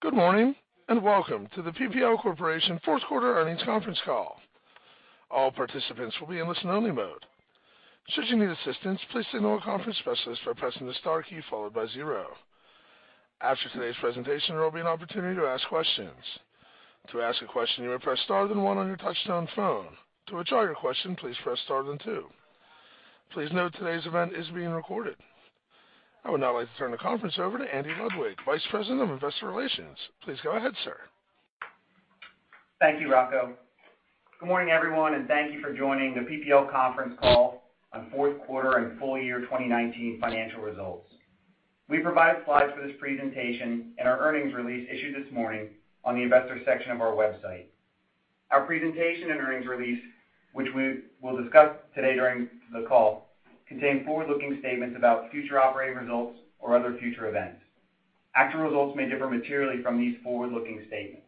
Good morning, and welcome to the PPL Corporation Q4 earnings conference call. All participants will be in listen only mode. Should you need assistance, please signal a conference specialist by pressing the star key followed by zero. After today's presentation, there will be an opportunity to ask questions. To ask a question, you may press star then one on your touchtone phone. To withdraw your question, please press star then two. Please note today's event is being recorded. I would now like to turn the conference over to Andy Ludwig, Vice President of Investor Relations. Please go ahead, sir. Thank you, Rocco. Good morning, everyone, and thank you for joining the PPL conference call on Q4 and full year 2019 financial results. We provide slides for this presentation in our earnings release issued this morning on the investor section of our website. Our presentation and earnings release, which we'll discuss today during the call, contain forward-looking statements about future operating results or other future events. Actual results may differ materially from these forward-looking statements.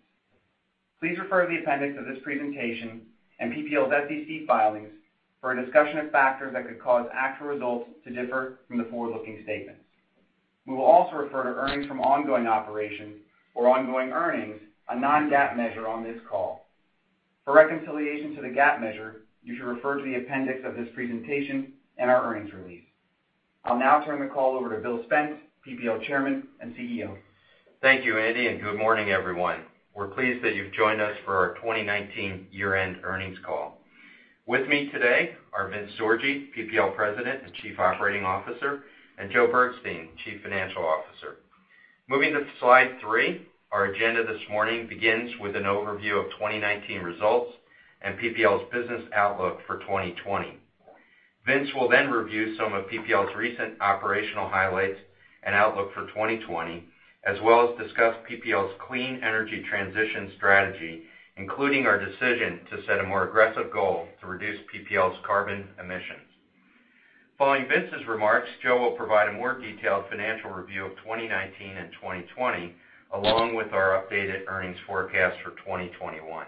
Please refer to the appendix of this presentation and PPL's SEC filings for a discussion of factors that could cause actual results to differ from the forward-looking statements. We will also refer to earnings from ongoing operations or ongoing earnings, a non-GAAP measure on this call. For reconciliation to the GAAP measure, you should refer to the appendix of this presentation and our earnings release. I'll now turn the call over to William Spence, PPL Chairman and CEO. Thank you, Andy. Good morning, everyone. We're pleased that you've joined us for our 2019 year-end earnings call. With me today are Vincent Sorgi, PPL President and Chief Operating Officer, and Joe Bergstein, Chief Financial Officer. Moving to slide three, our agenda this morning begins with an overview of 2019 results and PPL's business outlook for 2020. Vincent will review some of PPL's recent operational highlights and outlook for 2020, as well as discuss PPL's clean energy transition strategy, including our decision to set a more aggressive goal to reduce PPL's carbon emissions. Following Vince's remarks, Joe will provide a more detailed financial review of 2019 and 2020, along with our updated earnings forecast for 2021.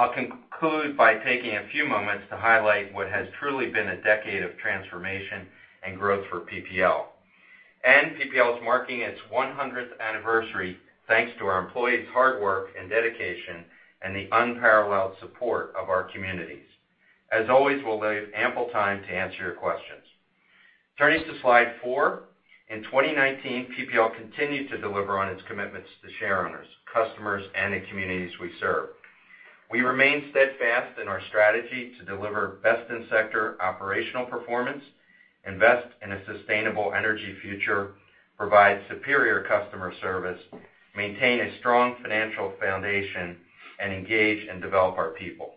I'll conclude by taking a few moments to highlight what has truly been a decade of transformation and growth for PPL. PPL is marking its 100th anniversary, thanks to our employees' hard work and dedication and the unparalleled support of our communities. As always, we'll leave ample time to answer your questions. Turning to slide four. In 2019, PPL continued to deliver on its commitments to shareowners, customers, and the communities we serve. We remain steadfast in our strategy to deliver best-in-sector operational performance, invest in a sustainable energy future, provide superior customer service, maintain a strong financial foundation, and engage and develop our people.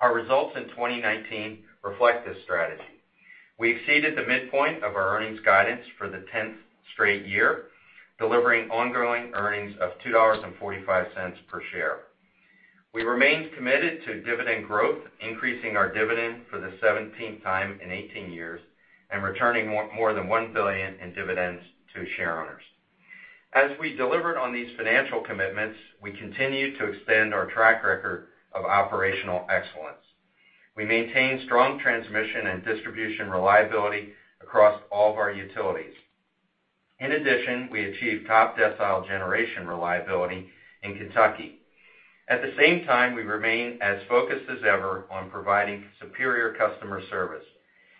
Our results in 2019 reflect this strategy. We exceeded the midpoint of our earnings guidance for the 10th straight year, delivering ongoing earnings of $2.45 per share. We remained committed to dividend growth, increasing our dividend for the 17th time in 18 years and returning more than $1 billion in dividends to shareowners. As we delivered on these financial commitments, we continued to extend our track record of operational excellence. We maintained strong transmission and distribution reliability across all of our utilities. In addition, we achieved top-decile generation reliability in Kentucky. At the same time, we remain as focused as ever on providing superior customer service.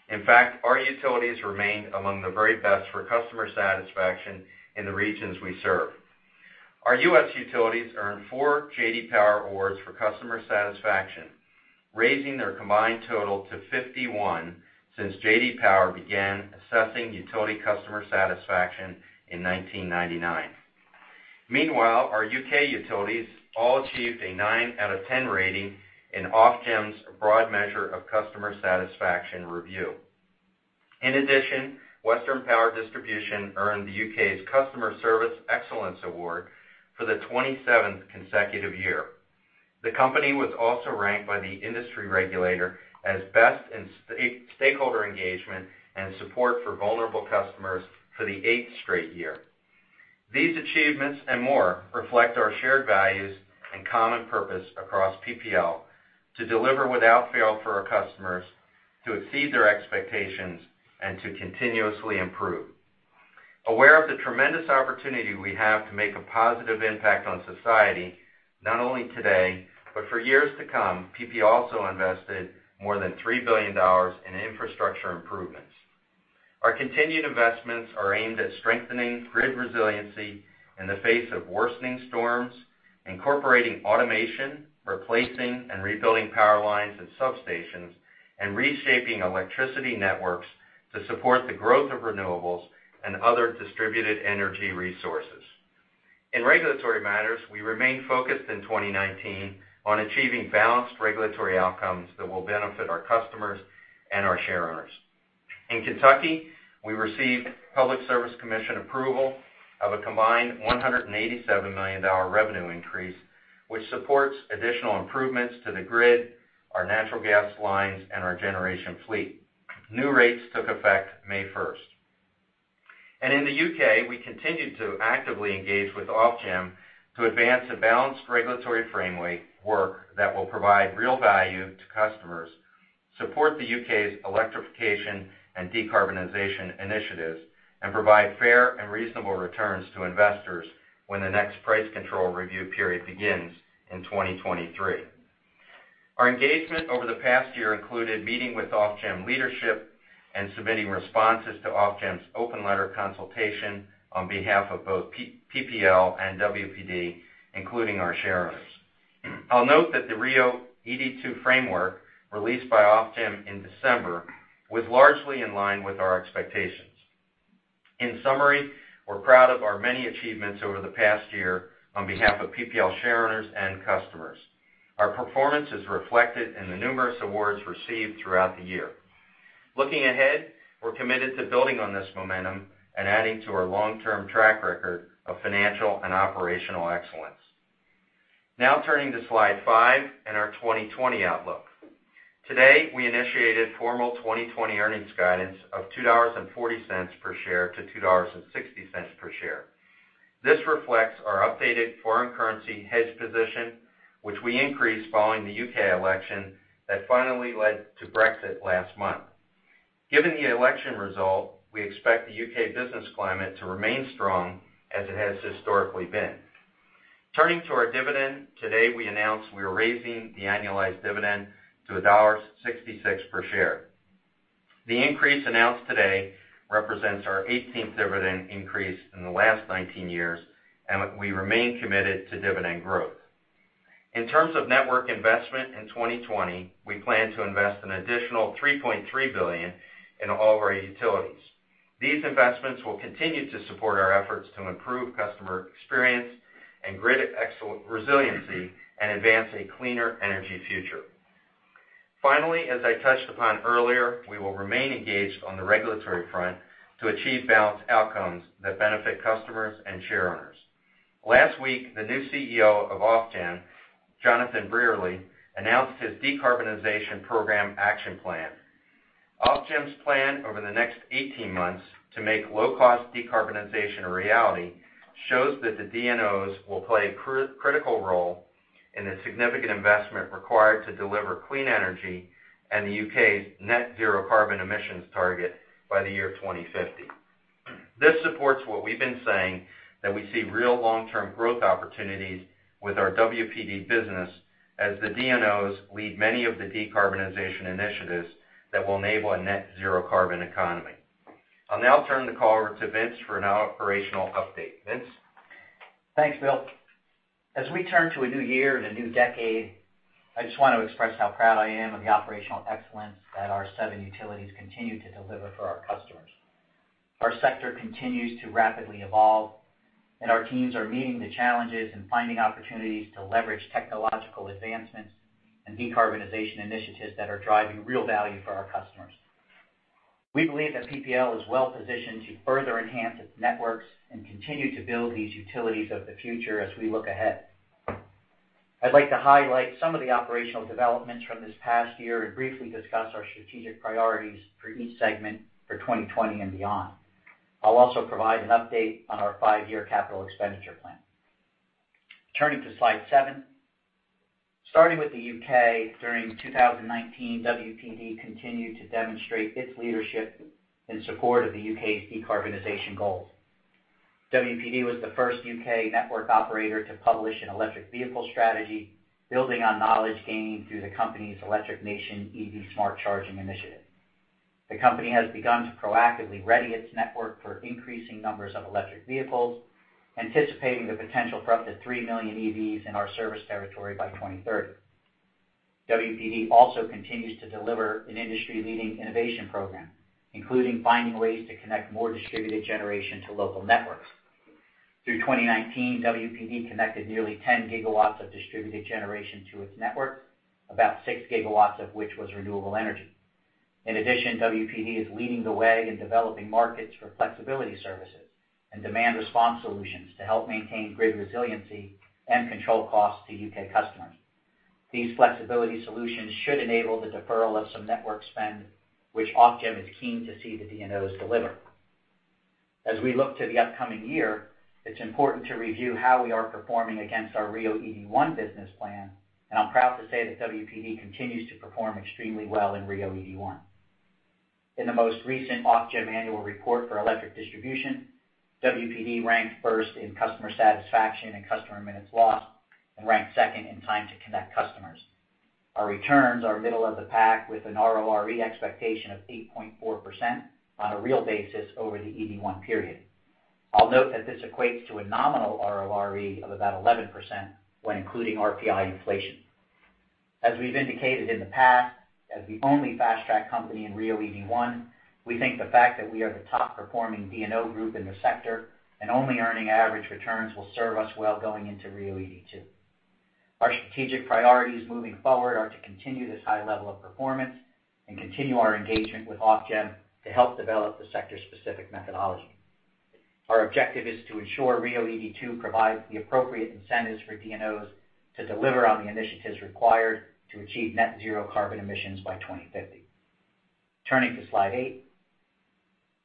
In fact, our utilities remain among the very best for customer satisfaction in the regions we serve. Our U.S. utilities earned four J.D. Power awards for customer satisfaction, raising their combined total to 51 since J.D. Power began assessing utility customer satisfaction in 1999. Meanwhile, our U.K. utilities all achieved a nine out of 10 rating in Ofgem's broad measure of customer satisfaction review. In addition, Western Power Distribution earned the U.K.'s Customer Service Excellence Award for the 27th consecutive year. The company was also ranked by the industry regulator as best in stakeholder engagement and support for vulnerable customers for the eighth straight year. These achievements and more reflect our shared values and common purpose across PPL to deliver without fail for our customers, to exceed their expectations, and to continuously improve. Aware of the tremendous opportunity we have to make a positive impact on society not only today but for years to come, PPL also invested more than $3 billion in infrastructure improvements. Our continued investments are aimed at strengthening grid resiliency in the face of worsening storms, incorporating automation, replacing and rebuilding power lines and substations, and reshaping electricity networks to support the growth of renewables and other distributed energy resources. In regulatory matters, we remained focused in 2019 on achieving balanced regulatory outcomes that will benefit our customers and our shareowners. In Kentucky, we received Public Service Commission approval of a combined $187 million revenue increase, which supports additional improvements to the grid, our natural gas lines, and our generation fleet. New rates took effect May 1st. In the U.K., we continued to actively engage with Ofgem to advance a balanced regulatory framework that will provide real value to customers. Support the U.K.'s electrification and decarbonization initiatives and provide fair and reasonable returns to investors when the next price control review period begins in 2023. Our engagement over the past year included meeting with Ofgem leadership and submitting responses to Ofgem's open letter consultation on behalf of both PPL and WPD, including our shareowners. I'll note that the RIIO-ED2 framework, released by Ofgem in December, was largely in line with our expectations. In summary, we're proud of our many achievements over the past year on behalf of PPL shareowners and customers. Our performance is reflected in the numerous awards received throughout the year. Looking ahead, we're committed to building on this momentum and adding to our long-term track record of financial and operational excellence. Turning to slide five and our 2020 outlook. Today, we initiated formal 2020 earnings guidance of $2.40 per share to $2.60 per share. This reflects our updated foreign currency hedge position, which we increased following the U.K. election that finally led to Brexit last month. Given the election result, we expect the U.K. business climate to remain strong as it has historically been. Turning to our dividend, today, we announced we are raising the annualized dividend to $1.66 per share. The increase announced today represents our 18th dividend increase in the last 19 years, and we remain committed to dividend growth. In terms of network investment in 2020, we plan to invest an additional $3.3 billion in all of our utilities. These investments will continue to support our efforts to improve customer experience and grid resiliency and advance a cleaner energy future. Finally, as I touched upon earlier, we will remain engaged on the regulatory front to achieve balanced outcomes that benefit customers and shareowners. Last week, the new CEO of Ofgem, Jonathan Brearley, announced his decarbonization program action plan. Ofgem's plan over the next 18 months to make low-cost decarbonization a reality shows that the DNOs will play a critical role in the significant investment required to deliver clean energy and the U.K.'s net zero carbon emissions target by the year 2050. This supports what we've been saying, that we see real long-term growth opportunities with our WPD business as the DNOs lead many of the decarbonization initiatives that will enable a net zero carbon economy. I'll now turn the call over to Vince for an operational update. Vincent? Thanks, Bill. As we turn to a new year and a new decade, I just want to express how proud I am of the operational excellence that our seven utilities continue to deliver for our customers. Our teams are meeting the challenges and finding opportunities to leverage technological advancements and decarbonization initiatives that are driving real value for our customers. We believe that PPL is well-positioned to further enhance its networks and continue to build these utilities of the future as we look ahead. I'd like to highlight some of the operational developments from this past year and briefly discuss our strategic priorities for each segment for 2020 and beyond. I'll also provide an update on our five-year capital expenditure plan. Turning to slide seven. Starting with the U.K., during 2019, WPD continued to demonstrate its leadership in support of the U.K.'s decarbonization goals. WPD was the first U.K. network operator to publish an electric vehicle strategy, building on knowledge gained through the company's Electric Nation EV smart charging initiative. The company has begun to proactively ready its network for increasing numbers of electric vehicles, anticipating the potential for up to 3 million EVs in our service territory by 2030. WPD also continues to deliver an industry-leading innovation program, including finding ways to connect more distributed generation to local networks. Through 2019, WPD connected nearly 10 gigawatts of distributed generation to its network, about six gigawatts of which was renewable energy. In addition, WPD is leading the way in developing markets for flexibility services and demand response solutions to help maintain grid resiliency and control costs to U.K. customers. These flexibility solutions should enable the deferral of some network spend, which Ofgem is keen to see the DNOs deliver. As we look to the upcoming year, it is important to review how we are performing against our RIIO ED1 business plan. I am proud to say that WPD continues to perform extremely well in RIIO ED1. In the most recent Ofgem annual report for electric distribution, WPD ranked first in customer satisfaction and customer minutes lost and ranked second in time to connect customers. Our returns are middle of the pack with an RORE expectation of 8.4% on a real basis over the ED1 period. I will note that this equates to a nominal RORE of about 11% when including RPI inflation. As we've indicated in the past, as the only fast-track company in RIIO-ED1, we think the fact that we are the top-performing DNO group in the sector and only earning average returns will serve us well going into RIIO-ED2. Our strategic priorities moving forward are to continue this high level of performance and continue our engagement with Ofgem to help develop the sector-specific methodology. Our objective is to ensure RIIO-ED2 provides the appropriate incentives for DNOs to deliver on the initiatives required to achieve net zero carbon emissions by 2050. Turning to slide eight.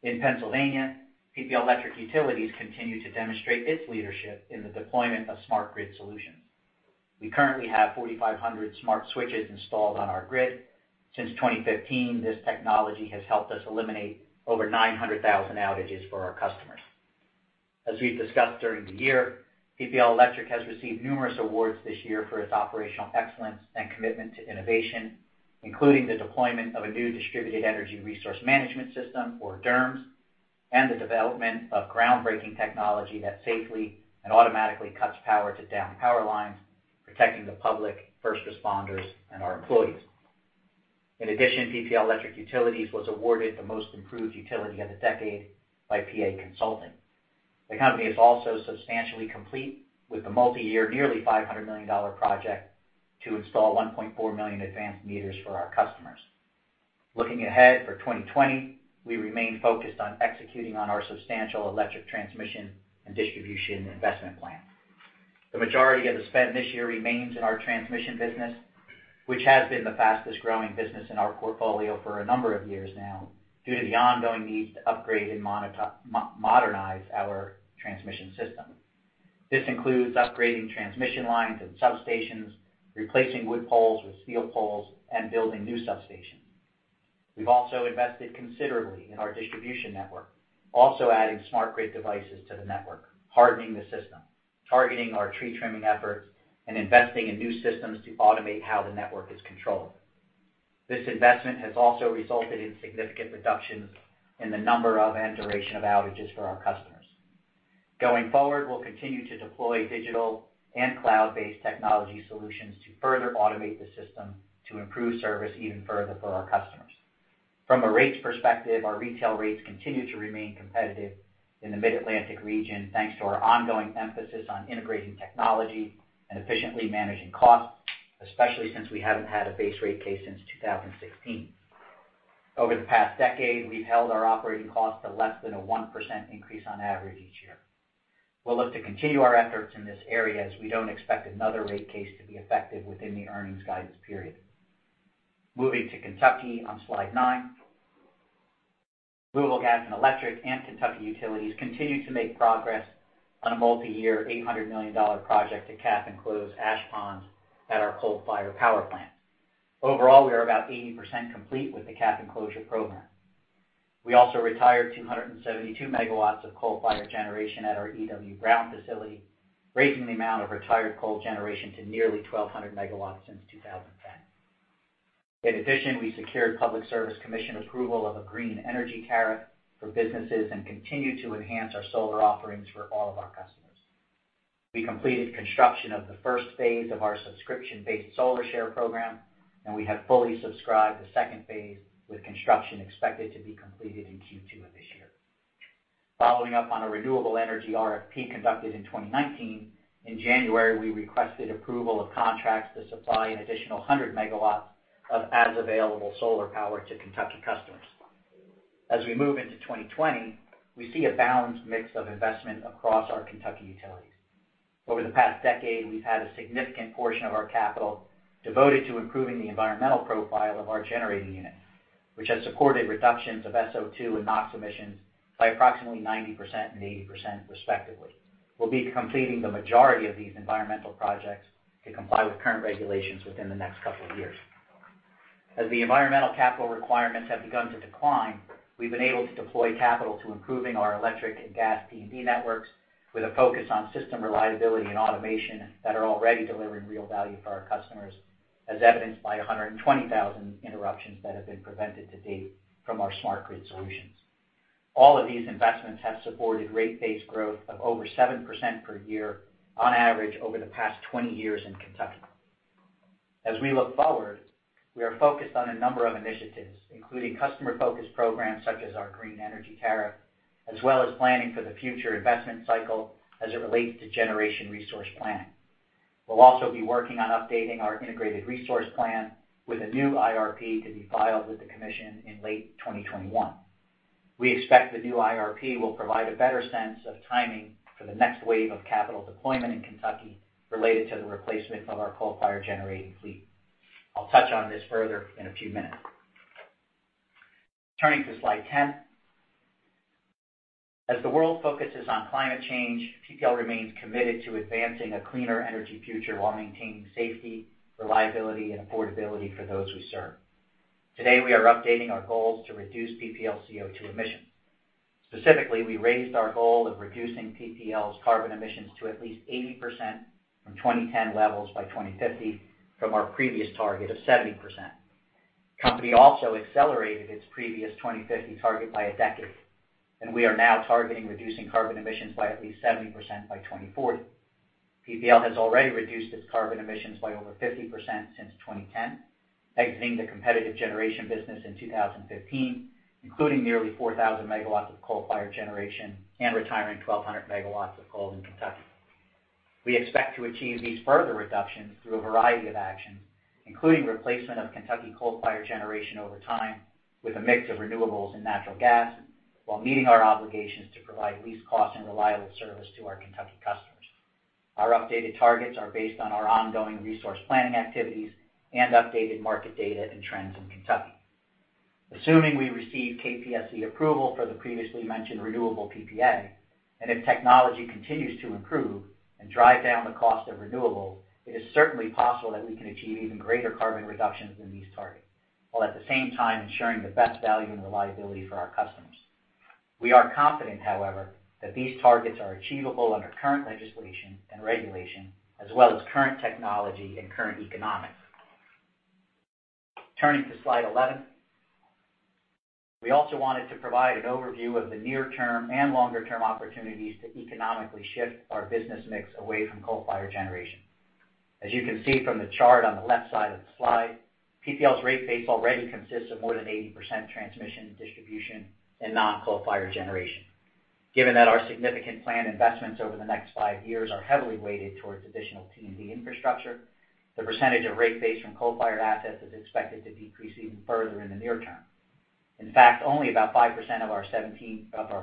In Pennsylvania, PPL Electric Utilities continue to demonstrate its leadership in the deployment of smart grid solutions. We currently have 4,500 smart switches installed on our grid. Since 2015, this technology has helped us eliminate over 900,000 outages for our customers. As we've discussed during the year, PPL Electric has received numerous awards this year for its operational excellence and commitment to innovation, including the deployment of a new distributed energy resource management system, or DERMS, and the development of groundbreaking technology that safely and automatically cuts power to downed power lines, protecting the public, first responders, and our employees. In addition, PPL Electric Utilities was awarded the most improved utility of the decade by PA Consulting. The company is also substantially complete with the multi-year, nearly $500 million project to install 1.4 million advanced meters for our customers. Looking ahead for 2020, we remain focused on executing on our substantial electric transmission and distribution investment plan. The majority of the spend this year remains in our transmission business, which has been the fastest-growing business in our portfolio for a number of years now due to the ongoing needs to upgrade and modernize our transmission system. This includes upgrading transmission lines and substations, replacing wood poles with steel poles, and building new substations. We've also invested considerably in our distribution network, also adding smart grid devices to the network, hardening the system, targeting our tree trimming efforts, and investing in new systems to automate how the network is controlled. This investment has also resulted in significant reductions in the number of and duration of outages for our customers. Going forward, we'll continue to deploy digital and cloud-based technology solutions to further automate the system to improve service even further for our customers. From a rates perspective, our retail rates continue to remain competitive in the Mid-Atlantic region, thanks to our ongoing emphasis on integrating technology and efficiently managing costs, especially since we haven't had a base rate case since 2016. Over the past decade, we've held our operating costs to less than a 1% increase on average each year. We'll look to continue our efforts in this area as we don't expect another rate case to be effective within the earnings guidance period. Moving to Kentucky on slide nine. Louisville Gas and Electric and Kentucky Utilities continues to make progress on a multi-year, $800 million project to cap and close ash ponds at our coal-fired power plant. Overall, we are about 80% complete with the cap enclosure program. We also retired 272 megawatts of coal-fired generation at our E.W. Brown facility, raising the amount of retired coal generation to nearly 1,200 megawatts since 2010. In addition, we secured Public Service Commission approval of a Green Energy Tariff for businesses and continue to enhance our solar offerings for all of our customers. We completed construction of the first phase of our subscription-based Solar Share program, and we have fully subscribed the second phase, with construction expected to be completed in Q2 of this year. Following up on a renewable energy RFP conducted in 2019, in January, we requested approval of contracts to supply an additional 100 megawatts of as-available solar power to Kentucky customers. As we move into 2020, we see a balanced mix of investment across our Kentucky utilities. Over the past decade, we've had a significant portion of our capital devoted to improving the environmental profile of our generating units, which has supported reductions of SO2 and NOx emissions by approximately 90% and 80% respectively. We'll be completing the majority of these environmental projects to comply with current regulations within the next couple of years. As the environmental capital requirements have begun to decline, we've been able to deploy capital to improving our electric and gas T&D networks with a focus on system reliability and automation that are already delivering real value for our customers, as evidenced by 120,000 interruptions that have been prevented to date from our smart grid solutions. All of these investments have supported rate-based growth of over 7% per year on average over the past 20 years in Kentucky. As we look forward, we are focused on a number of initiatives, including customer-focused programs such as our Green Energy Tariff, as well as planning for the future investment cycle as it relates to generation resource planning. We'll also be working on updating our Integrated Resource Plan with a new IRP to be filed with the Commission in late 2021. We expect the new IRP will provide a better sense of timing for the next wave of capital deployment in Kentucky related to the replacement of our coal-fired generating fleet. I'll touch on this further in a few minutes. Turning to slide 10. As the world focuses on climate change, PPL remains committed to advancing a cleaner energy future while maintaining safety, reliability, and affordability for those we serve. Today, we are updating our goals to reduce PPL CO2 emissions. Specifically, we raised our goal of reducing PPL's carbon emissions to at least 80% from 2010 levels by 2050 from our previous target of 70%. Company also accelerated its previous 2050 target by a decade, and we are now targeting reducing carbon emissions by at least 70% by 2040. PPL has already reduced its carbon emissions by over 50% since 2010, exiting the competitive generation business in 2015, including nearly 4,000 megawatts of coal-fired generation and retiring 1,200 megawatts of coal in Kentucky. We expect to achieve these further reductions through a variety of actions, including replacement of Kentucky coal-fired generation over time with a mix of renewables and natural gas, while meeting our obligations to provide least cost and reliable service to our Kentucky customers. Our updated targets are based on our ongoing resource planning activities and updated market data and trends in Kentucky. Assuming we receive KPSC approval for the previously mentioned renewable PPA, and if technology continues to improve and drive down the cost of renewable, it is certainly possible that we can achieve even greater carbon reductions than these targets, while at the same time ensuring the best value and reliability for our customers. We are confident, however, that these targets are achievable under current legislation and regulation, as well as current technology and current economics. Turning to slide 11. We also wanted to provide an overview of the near-term and longer-term opportunities to economically shift our business mix away from coal-fired generation. As you can see from the chart on the left side of the slide, PPL's rate base already consists of more than 80% transmission, distribution, and non-coal-fired generation. Given that our significant planned investments over the next five years are heavily weighted towards additional T&D infrastructure, the percentage of rate base from coal-fired assets is expected to decrease even further in the near term. In fact, only about 5% of our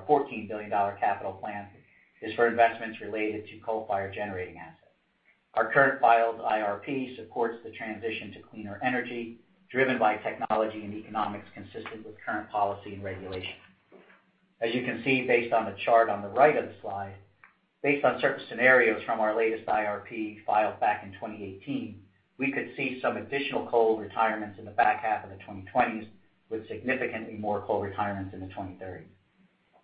$14 billion capital plan is for investments related to coal-fired generating assets. Our current filed IRP supports the transition to cleaner energy driven by technology and economics consistent with current policy and regulation. As you can see based on the chart on the right of the slide, based on certain scenarios from our latest IRP filed back in 2018, we could see some additional coal retirements in the back half of the 2020s, with significantly more coal retirements in the 2030s.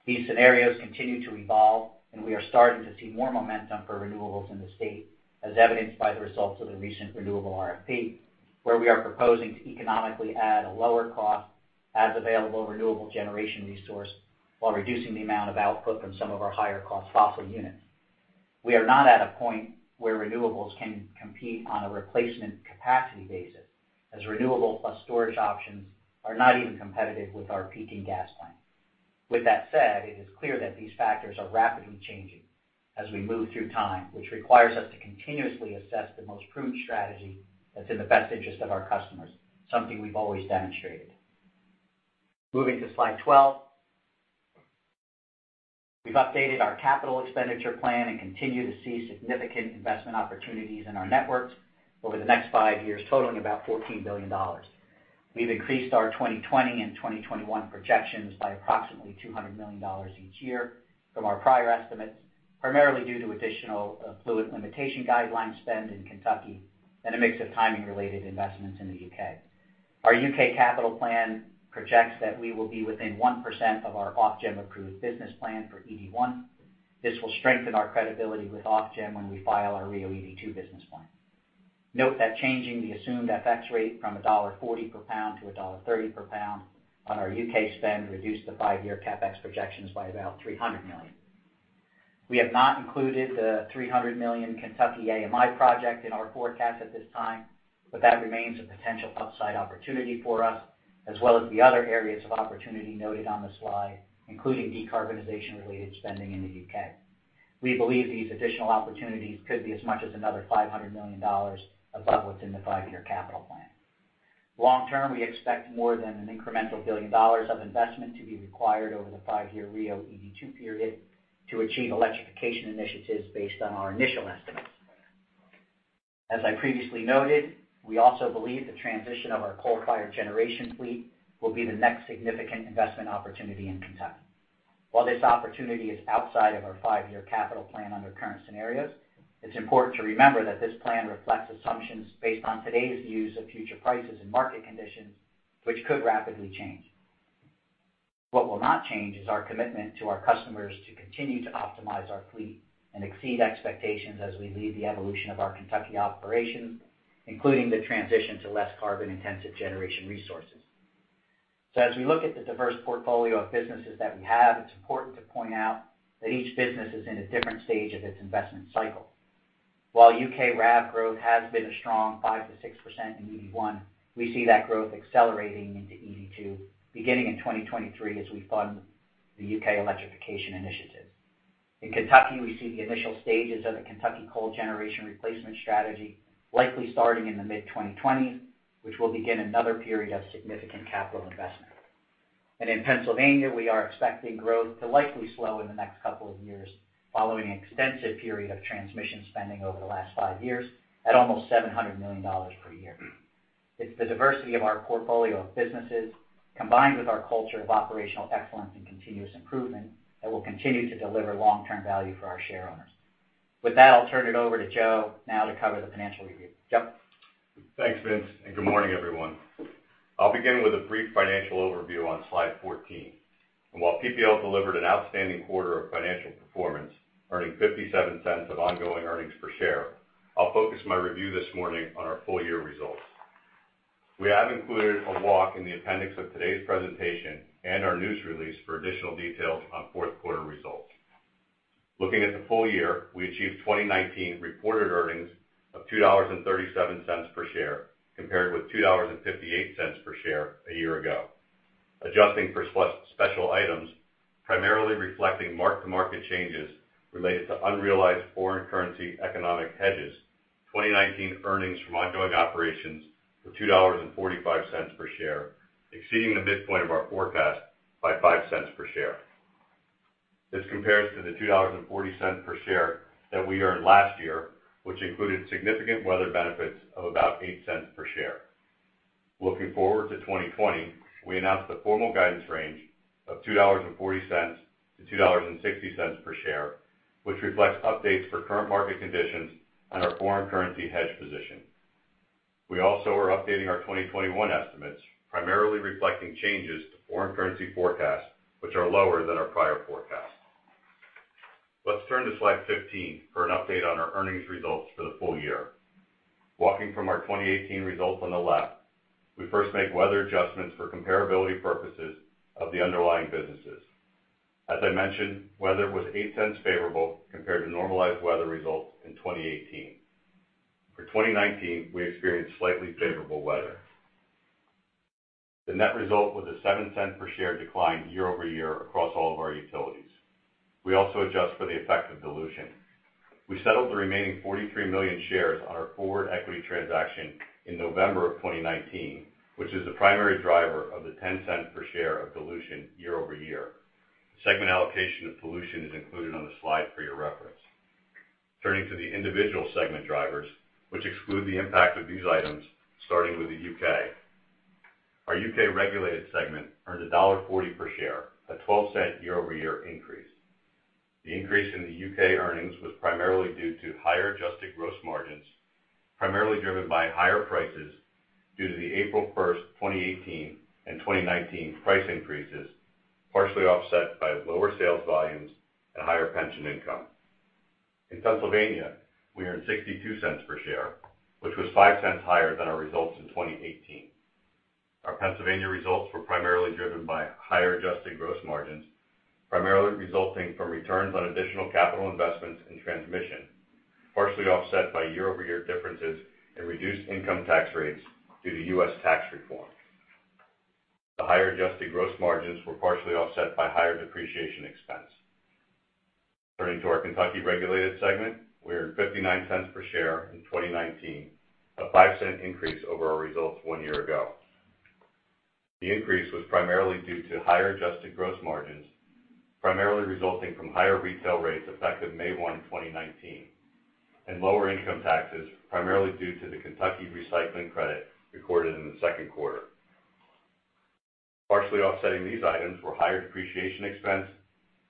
These scenarios continue to evolve, and we are starting to see more momentum for renewables in the state, as evidenced by the results of the recent renewable RFP, where we are proposing to economically add a lower cost as available renewable generation resource while reducing the amount of output from some of our higher-cost fossil units. We are not at a point where renewables can compete on a replacement capacity basis, as renewable plus storage options are not even competitive with our peaking gas plant. With that said, it is clear that these factors are rapidly changing as we move through time, which requires us to continuously assess the most prudent strategy that's in the best interest of our customers, something we've always demonstrated. Moving to slide 12. We've updated our capital expenditure plan and continue to see significant investment opportunities in our networks over the next five years, totaling about $14 billion. We've increased our 2020 and 2021 projections by approximately $200 million each year from our prior estimates, primarily due to additional flue gas desulfurization guidelines spend in Kentucky and a mix of timing-related investments in the U.K. Our U.K. capital plan projects that we will be within 1% of our Ofgem-approved business plan for ED1. This will strengthen our credibility with Ofgem when we file our RIIO-ED2 business plan. Note that changing the assumed FX rate from $1.40 per GBP to $1.30 per GBP on our U.K. spend reduced the five-year CapEx projections by about $300 million. We have not included the $300 million Kentucky AMI project in our forecast at this time. That remains a potential upside opportunity for us, as well as the other areas of opportunity noted on the slide, including decarbonization-related spending in the U.K. We believe these additional opportunities could be as much as another $500 million above what's in the five-year capital plan. Long term, we expect more than an incremental $1 billion of investment to be required over the five-year RIIO-ED2 period to achieve electrification initiatives based on our initial estimates. As I previously noted, we also believe the transition of our coal-fired generation fleet will be the next significant investment opportunity in Kentucky. While this opportunity is outside of our five-year capital plan under current scenarios, it is important to remember that this plan reflects assumptions based on today's views of future prices and market conditions, which could rapidly change. What will not change is our commitment to our customers to continue to optimize our fleet and exceed expectations as we lead the evolution of our Kentucky operations, including the transition to less carbon-intensive generation resources. As we look at the diverse portfolio of businesses that we have, it is important to point out that each business is in a different stage of its investment cycle. While U.K. RAV growth has been a strong 5% to 6% in ED1, we see that growth accelerating into ED2 beginning in 2023 as we fund the U.K. electrification initiative. In Kentucky, we see the initial stages of a Kentucky coal generation replacement strategy likely starting in the mid-2020s, which will begin another period of significant capital investment. In Pennsylvania, we are expecting growth to likely slow in the next couple of years following an extensive period of transmission spending over the last five years at almost $700 million per year. It's the diversity of our portfolio of businesses, combined with our culture of operational excellence and continuous improvement, that will continue to deliver long-term value for our shareowners. With that, I'll turn it over to Joseph now to cover the financial review. Joseph? Thanks, Vincent. Good morning, everyone. I'll begin with a brief financial overview on slide 14. While PPL delivered an outstanding quarter of financial performance, earning $0.57 of ongoing earnings per share, I'll focus my review this morning on our full-year results. We have included a walk in the appendix of today's presentation and our news release for additional details on fourth-quarter results. Looking at the full year, we achieved 2019 reported earnings of $2.37 per share, compared with $2.58 per share a year ago. Adjusting for special items, primarily reflecting mark-to-market changes related to unrealized foreign currency economic hedges, 2019 earnings from ongoing operations were $2.45 per share, exceeding the midpoint of our forecast by $0.05 per share. This compares to the $2.40 per share that we earned last year, which included significant weather benefits of about $0.08 per share. Looking forward to 2020, we announced the formal guidance range of $2.40 to $2.60 per share, which reflects updates for current market conditions on our foreign currency hedge position. We also are updating our 2021 estimates, primarily reflecting changes to foreign currency forecasts, which are lower than our prior forecast. Let's turn to slide 15 for an update on our earnings results for the full year. Walking from our 2018 results on the left, we first make weather adjustments for comparability purposes of the underlying businesses. As I mentioned, weather was $0.08 favorable compared to normalized weather results in 2018. For 2019, we experienced slightly favorable weather. The net result was a $0.07 per share decline year-over-year across all of our utilities. We also adjust for the effect of dilution. We settled the remaining 43 million shares on our forward equity transaction in November of 2019, which is the primary driver of the $0.10 per share of dilution year-over-year. Segment allocation of dilution is included on the slide for your reference. Turning to the individual segment drivers, which exclude the impact of these items, starting with the UK. Our UK regulated segment earned $1.40 per share, a $0.12 year-over-year increase. The increase in the UK earnings was primarily due to higher adjusted gross margins, primarily driven by higher prices due to the April 1st, 2018 and 2019 price increases, partially offset by lower sales volumes and higher pension income. In Pennsylvania, we earned $0.62 per share, which was $0.05 higher than our results in 2018. Our Pennsylvania results were primarily driven by higher adjusted gross margins, primarily resulting from returns on additional capital investments in transmission, partially offset by year-over-year differences in reduced income tax rates due to U.S. tax reform. The higher adjusted gross margins were partially offset by higher depreciation expense. Turning to our Kentucky regulated segment, we earned $0.59 per share in 2019, a $0.05 increase over our results one year ago. The increase was primarily due to higher adjusted gross margins, primarily resulting from higher retail rates effective May 1, 2019, and lower income taxes, primarily due to the Kentucky recycling credit recorded in the Q2. Partially offsetting these items were higher depreciation expense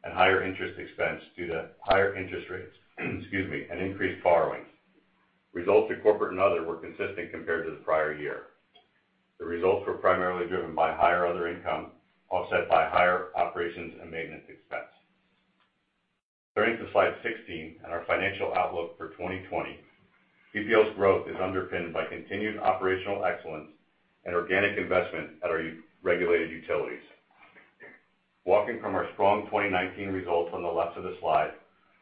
and higher interest expense due to higher interest rates and increased borrowings. Results of corporate and other were consistent compared to the prior year. The results were primarily driven by higher other income, offset by higher operations and maintenance expense. Turning to slide 16 and our financial outlook for 2020, PPL's growth is underpinned by continued operational excellence and organic investment at our regulated utilities. Walking from our strong 2019 results on the left of the slide,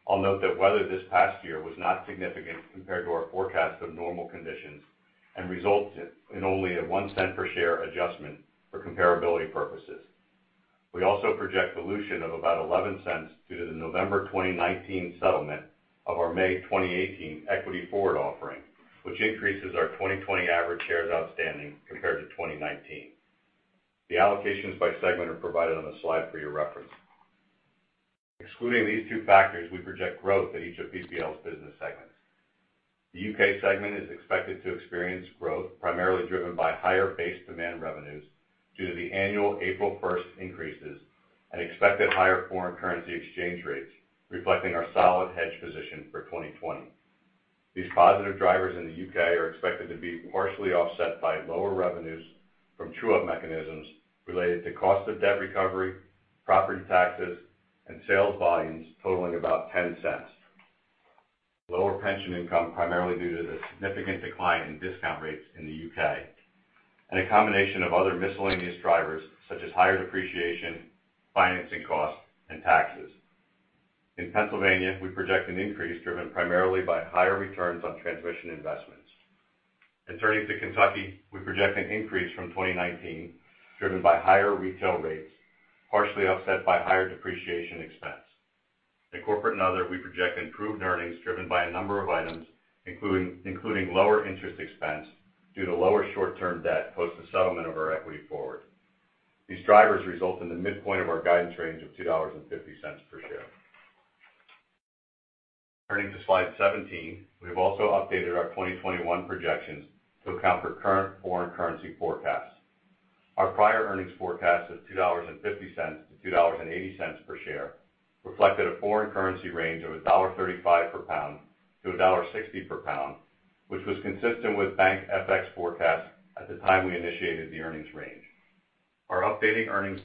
I'll note that weather this past year was not significant compared to our forecast of normal conditions and resulted in only a $0.01 per share adjustment for comparability purposes. We also project dilution of about $0.11 due to the November 2019 settlement of our May 2018 equity forward offering, which increases our 2020 average shares outstanding compared to 2019. The allocations by segment are provided on the slide for your reference. Excluding these two factors, we project growth at each of PPL's business segments. The U.K. segment is expected to experience growth primarily driven by higher base demand revenues due to the annual April 1st increases and expected higher foreign currency exchange rates, reflecting our solid hedge position for 2020. These positive drivers in the U.K. are expected to be partially offset by lower revenues from true-up mechanisms related to cost of debt recovery, property taxes, and sales volumes totaling about $0.10. Lower pension income primarily due to the significant decline in discount rates in the U.K., and a combination of other miscellaneous drivers such as higher depreciation, financing costs, and taxes. In Pennsylvania, we project an increase driven primarily by higher returns on transmission investments. Turning to Kentucky, we project an increase from 2019, driven by higher retail rates, partially offset by higher depreciation expense. In corporate and other, we project improved earnings driven by a number of items, including lower interest expense due to lower short-term debt post the settlement of our equity forward. These drivers result in the midpoint of our guidance range of $2.50 per share. Turning to slide 17. We've also updated our 2021 projections to account for current foreign currency forecasts. Our prior earnings forecast of $2.50 to $2.80 per share reflected a foreign currency range of $1.35 per pound to $1.60 per pound, which was consistent with bank FX forecasts at the time we initiated the earnings range. Our updated earnings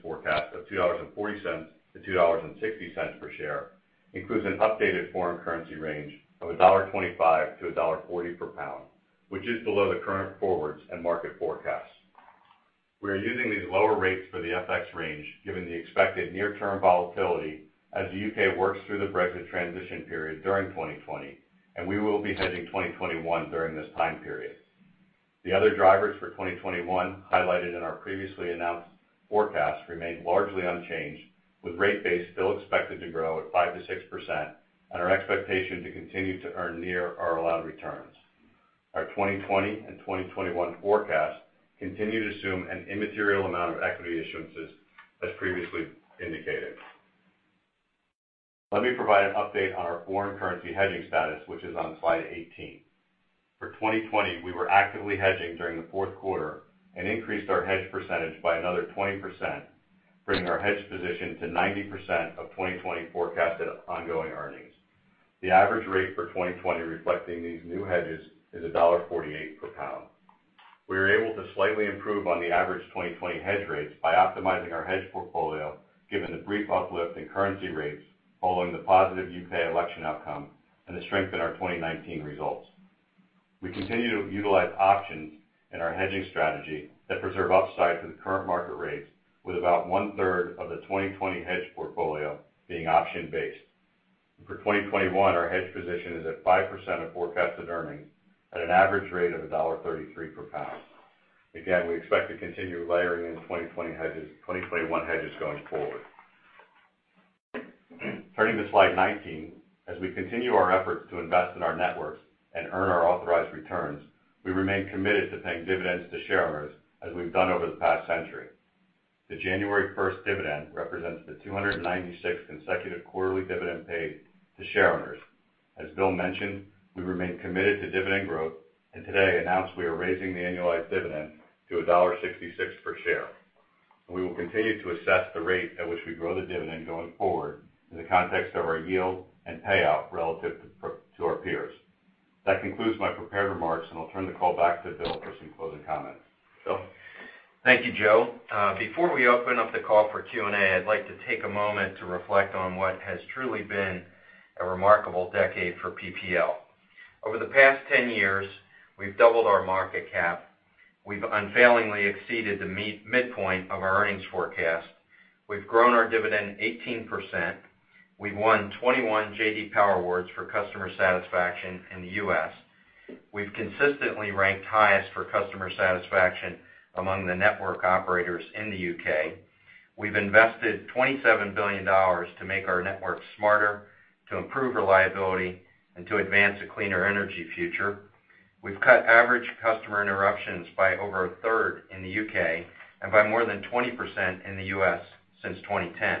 forecast of $2.40 to $2.60 per share includes an updated foreign currency range of $1.25 to $1.40 per pound, which is below the current forwards and market forecasts. We are using these lower rates for the FX range given the expected near-term volatility as the U.K. works through the Brexit transition period during 2020, and we will be hedging 2021 during this time period. The other drivers for 2021 highlighted in our previously announced forecast remain largely unchanged, with rate base still expected to grow at 5% to 6%, and our expectation to continue to earn near our allowed returns. Our 2020 and 2021 forecast continue to assume an immaterial amount of equity issuances as previously indicated. Let me provide an update on our foreign currency hedging status, which is on slide 18. For 2020, we were actively hedging during the Q4 and increased our hedge percentage by another 20%, bringing our hedge position to 90% of 2020 forecasted ongoing earnings. The average rate for 2020 reflecting these new hedges is $1.48 per GBP. We are able to slightly improve on the average 2020 hedge rates by optimizing our hedge portfolio, given the brief uplift in currency rates following the positive U.K. election outcome and the strength in our 2019 results. We continue to utilize options in our hedging strategy that preserve upside to the current market rates with about one-third of the 2020 hedge portfolio being option-based. For 2021, our hedge position is at 5% of forecasted earnings at an average rate of GBP 1.33 per pound. We expect to continue layering in 2021 hedges going forward. Turning to slide 19. As we continue our efforts to invest in our networks and earn our authorized returns, we remain committed to paying dividends to shareholders as we've done over the past century. The January 1st dividend represents the 296th consecutive quarterly dividend paid to shareholders. As William mentioned, we remain committed to dividend growth and today announced we are raising the annualized dividend to $1.66 per share. We will continue to assess the rate at which we grow the dividend going forward in the context of our yield and payout relative to our peers. That concludes my prepared remarks, and I'll turn the call back to William for some closing comments. William? Thank you, Joseph. Before we open up the call for Q&A, I'd like to take a moment to reflect on what has truly been a remarkable decade for PPL. Over the past 10 years, we've doubled our market cap. We've unfailingly exceeded the midpoint of our earnings forecast. We've grown our dividend 18%. We've won 21 J.D. Power awards for customer satisfaction in the U.S. We've consistently ranked highest for customer satisfaction among the network operators in the U.K. We've invested $27 billion to make our networks smarter, to improve reliability, and to advance a cleaner energy future. We've cut average customer interruptions by over a third in the U.K. and by more than 20% in the U.S. since 2010.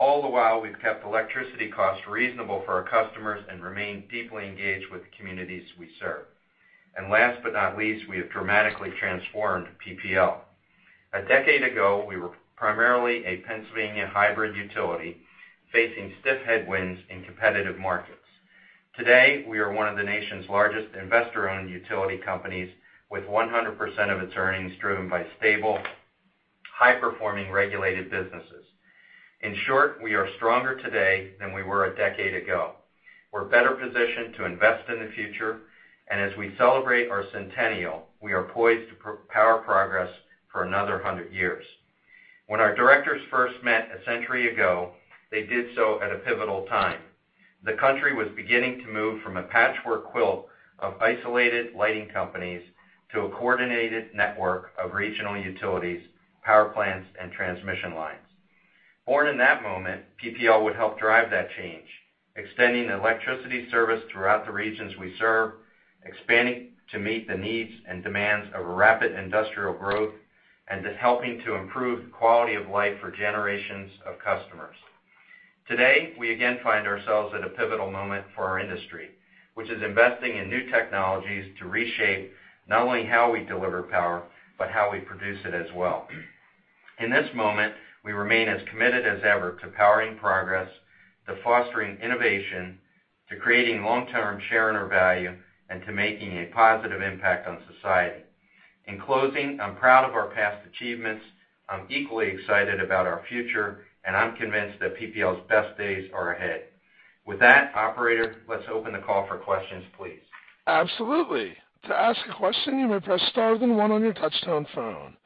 All the while, we've kept electricity costs reasonable for our customers and remain deeply engaged with the communities we serve. Last but not least, we have dramatically transformed PPL. A decade ago, we were primarily a Pennsylvania hybrid utility facing stiff headwinds in competitive markets. Today, we are one of the nation's largest investor-owned utility companies, with 100% of its earnings driven by stable, high-performing regulated businesses. In short, we are stronger today than we were a decade ago. We're better positioned to invest in the future, and as we celebrate our centennial, we are poised to power progress for another 100 years. When our directors first met a century ago, they did so at a pivotal time. The country was beginning to move from a patchwork quilt of isolated lighting companies to a coordinated network of regional utilities, power plants, and transmission lines. Born in that moment, PPL would help drive that change, extending electricity service throughout the regions we serve, expanding to meet the needs and demands of rapid industrial growth, and to helping to improve quality of life for generations of customers. Today, we again find ourselves at a pivotal moment for our industry, which is investing in new technologies to reshape not only how we deliver power, but how we produce it as well. In this moment, we remain as committed as ever to powering progress, to fostering innovation, to creating long-term shareowner value, and to making a positive impact on society. In closing, I'm proud of our past achievements. I'm equally excited about our future, and I'm convinced that PPL's best days are ahead. With that, operator, let's open the call for questions, please. Absolutely. To ask a question, you may press star then one on your touch-tone phone.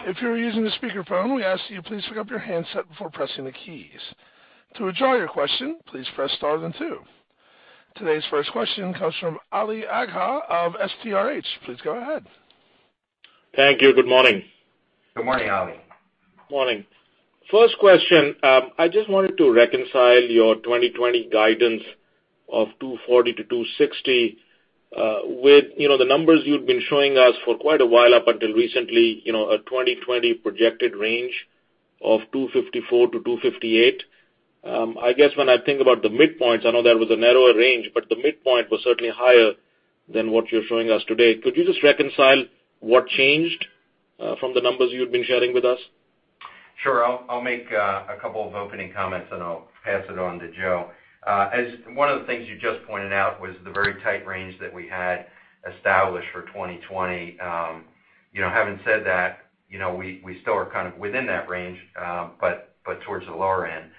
If you are using a speakerphone, we ask that you please pick up your handset before pressing the keys. To withdraw your question, please press star then two. Today's first question comes from Ali Agha of STRH. Please go ahead. Thank you. Good morning. Good morning, Ali. Morning. First question, I just wanted to reconcile your 2020 guidance of $2.40 to $2.60 with the numbers you'd been showing us for quite a while up until recently, a 2020 projected range of $2.54 to $2.58. I guess when I think about the midpoints, I know that was a narrower range, but the midpoint was certainly higher than what you're showing us today. Could you just reconcile what changed from the numbers you'd been sharing with us? Sure. I'll make a couple of opening comments, and I'll pass it on to Joseph. One of the things you just pointed out was the very tight range that we had established for 2020. Having said that, we still are kind of within that range but towards the lower end.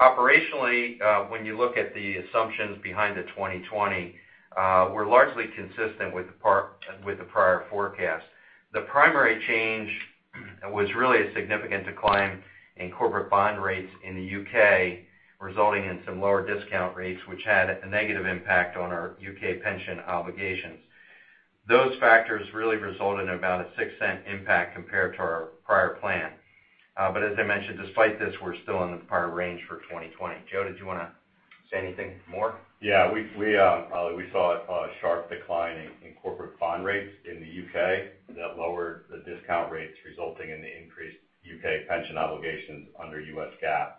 Operationally, when you look at the assumptions behind the 2020, we're largely consistent with the prior forecast. The primary change was really a significant decline in corporate bond rates in the U.K., resulting in some lower discount rates, which had a negative impact on our U.K. pension obligations. Those factors really result in about a $0.06 impact compared to our prior plan. As I mentioned, despite this, we're still in the prior range for 2020. Joseph, did you want to say anything more? Yeah. We saw a sharp decline in corporate bond rates in the U.K. that lowered the discount rates, resulting in the increased U.K. pension obligations under US GAAP.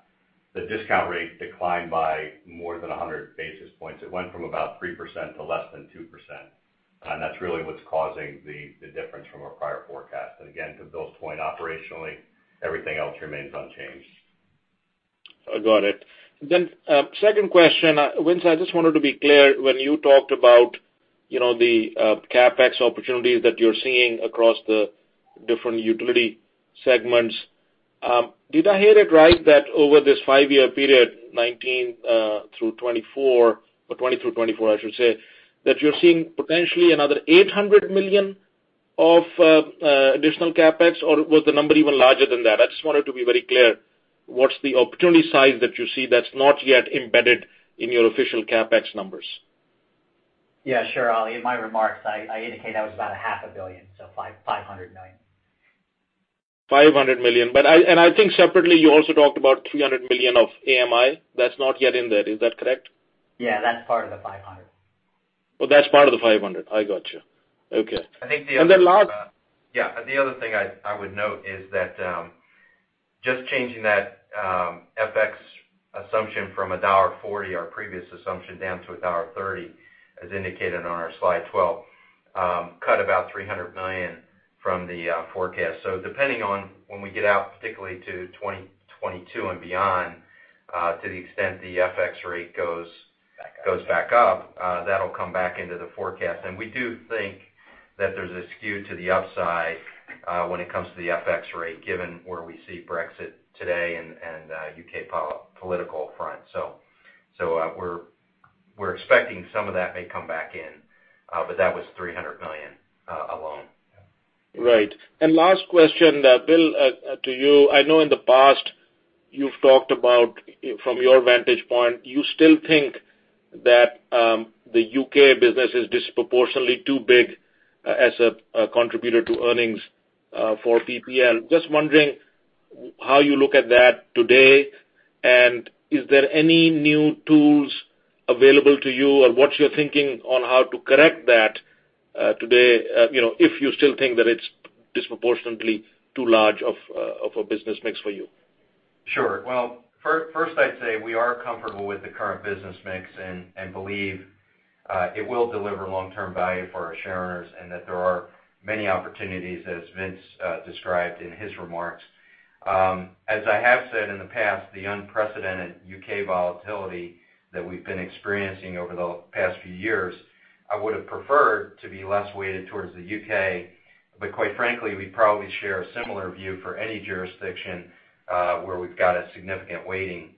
The discount rate declined by more than 100 basis points. It went from about 3% to less than 2%. That's really what's causing the difference from our prior forecast. Again, to Bill's point, operationally, everything else remains unchanged. Got it. Second question. Vincent, I just wanted to be clear when you talked about the CapEx opportunities that you're seeing across the different utility segments. Did I hear it right that over this five-year period, 2019 through 2024 or 2020 through 2024, I should say, that you're seeing potentially another $800 million of additional CapEx? Or was the number even larger than that? I just wanted to be very clear. What's the opportunity size that you see that's not yet embedded in your official CapEx numbers? Yeah, sure, Ali. In my remarks, I indicate that was about a half a billion, so $500 million. $500 million. I think separately, you also talked about $300 million of AMI that's not yet in there, is that correct? Yeah, that's part of the $500. Oh, that's part of the 500. I got you. Okay. I think the other. And then last- Yeah. The other thing I would note is that, just changing that FX assumption from $1.40, our previous assumption, down to $1.30, as indicated on our slide 12, cut about $300 million from the forecast. Depending on when we get out, particularly to 2022 and beyond, to the extent the FX rate goes back up, that'll come back into the forecast. We do think that there's a skew to the upside when it comes to the FX rate, given where we see Brexit today and U.K. political front. We're expecting some of that may come back in, but that was $300 million alone. Right. Last question, William, to you. I know in the past you've talked about, from your vantage point, you still think that the U.K. business is disproportionately too big as a contributor to earnings for PPL. Just wondering how you look at that today, and is there any new tools available to you, or what's your thinking on how to correct that today if you still think that it's disproportionately too large of a business mix for you? Sure. Well, first, I'd say we are comfortable with the current business mix and believe it will deliver long-term value for our shareowners and that there are many opportunities, as Vincent described in his remarks. As I have said in the past, the unprecedented U.K. volatility that we've been experiencing over the past few years, I would've preferred to be less weighted towards the U.K. Quite frankly, we probably share a similar view for any jurisdiction, where we've got a significant weighting,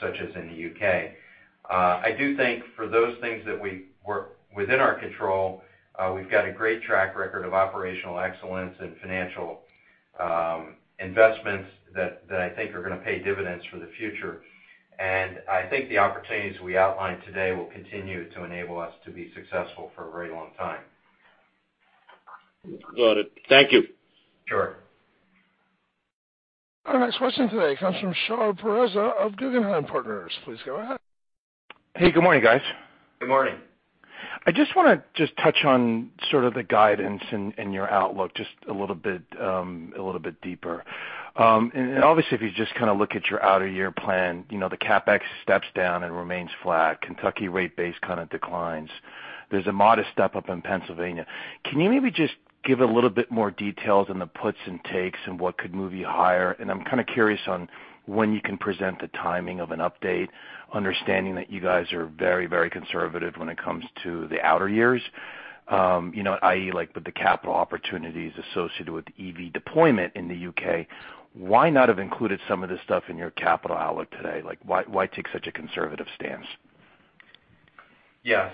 such as in the U.K. I do think for those things that were within our control, we've got a great track record of operational excellence and financial investments that I think are going to pay dividends for the future. I think the opportunities we outlined today will continue to enable us to be successful for a very long time. Got it. Thank you. Sure. Our next question today comes from Shahriar Pourreza of Guggenheim Securities. Please go ahead. Hey, good morning, guys. Good morning. I just want to just touch on sort of the guidance and your outlook just a little bit deeper. Obviously, if you just kind of look at your outer year plan, the CapEx steps down and remains flat. Kentucky rate base kind of declines. There's a modest step-up in Pennsylvania. Can you maybe just give a little bit more details on the puts and takes and what could move you higher? I'm kind of curious on when you can present the timing of an update, understanding that you guys are very conservative when it comes to the outer years. I.e., like with the capital opportunities associated with EV deployment in the U.K. Why not have included some of this stuff in your capital outlook today? Why take such a conservative stance? Yeah.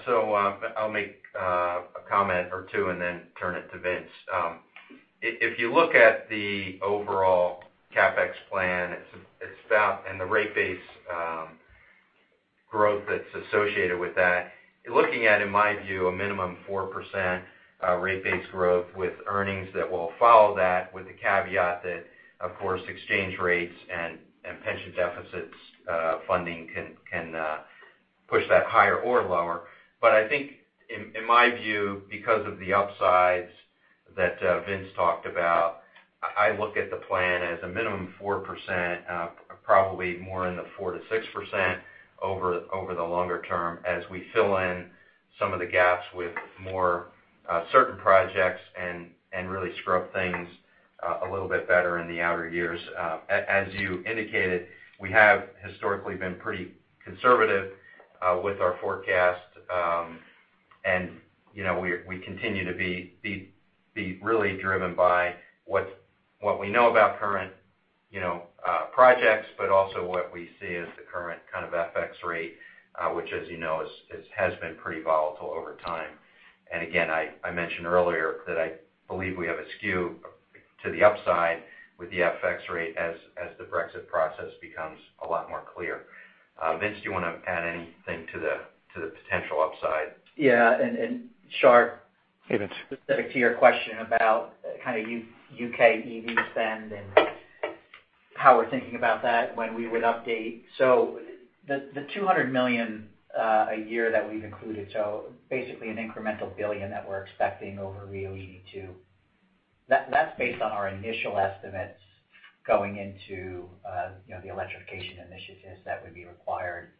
I'll make a comment or two and then turn it to Vincent. If you look at the overall CapEx plan and the rate base growth that's associated with that, you're looking at, in my view, a minimum 4% rate base growth with earnings that will follow that, with the caveat that, of course, exchange rates and pension deficits funding can push that higher or lower. I think in my view, because of the upsides that Vincent talked about, I look at the plan as a minimum 4%, probably more in the 4% to 6% over the longer term as we fill in some of the gaps with more certain projects and really scrub things a little bit better in the outer years. As you indicated, we have historically been pretty conservative with our forecast. We continue to be really driven by what we know about current projects, but also what we see as the current kind of FX rate, which as you know, has been pretty volatile over time. Again, I mentioned earlier that I believe we have a skew to the upside with the FX rate as the Brexit process becomes a lot more clear. Vincent, do you want to add anything to the potential upside? Yeah. Hey, Vincent. specific to your question about kind of U.K. EV spend and how we're thinking about that, when we would update. The $200 million a year that we've included, basically an incremental $1 billion that we're expecting over RIIO ED2, that's based on our initial estimates going into the electrification initiatives that would be required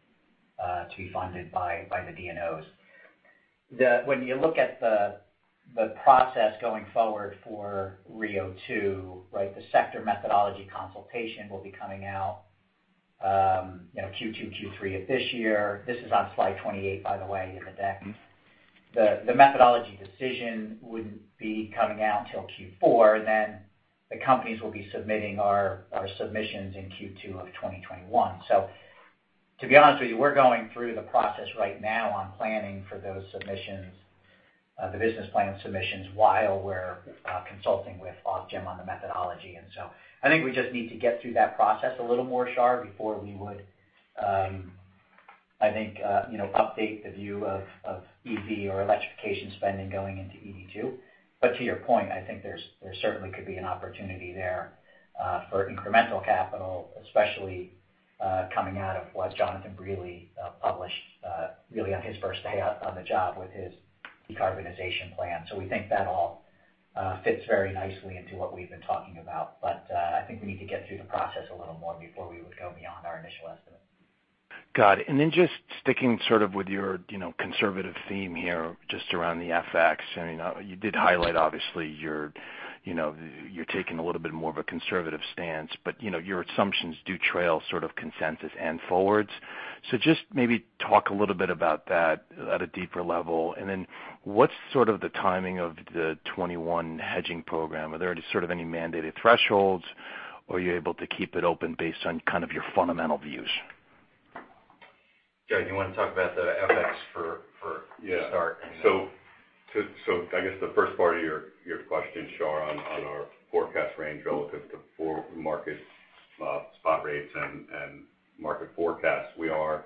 to be funded by the DNOs. When you look at the process going forward for RIIO-2, right? The sector methodology consultation will be coming out Q2, Q3 of this year. This is on slide 28, by the way, in the deck. The methodology decision wouldn't be coming out until Q4, the companies will be submitting our submissions in Q2 of 2021. To be honest with you, we're going through the process right now on planning for those submissions, the business plan submissions, while we're consulting with Ofgem on the methodology. I think we just need to get through that process a little more, Shar, before we would, I think, update the view of EV or electrification spending going into ED2. To your point, I think there certainly could be an opportunity there for incremental capital, especially coming out of what Jonathan Brearley published really on his first day on the job with his decarbonization plan. We think that all fits very nicely into what we've been talking about. I think we need to get through the process a little more before we would go beyond our initial estimate. Got it. Just sticking sort of with your conservative theme here, just around the FX. You did highlight, obviously, you're taking a little bit more of a conservative stance, but your assumptions do trail sort of consensus and forwards. Just maybe talk a little bit about that at a deeper level, and then what's sort of the timing of the 2021 hedging program? Are there any sort of any mandated thresholds, or are you able to keep it open based on kind of your fundamental views? Joseph, do you want to talk about the FX for a start? I guess the first part of your question, Shahriar, on our forecast range relative to forward market spot rates and market forecasts. We are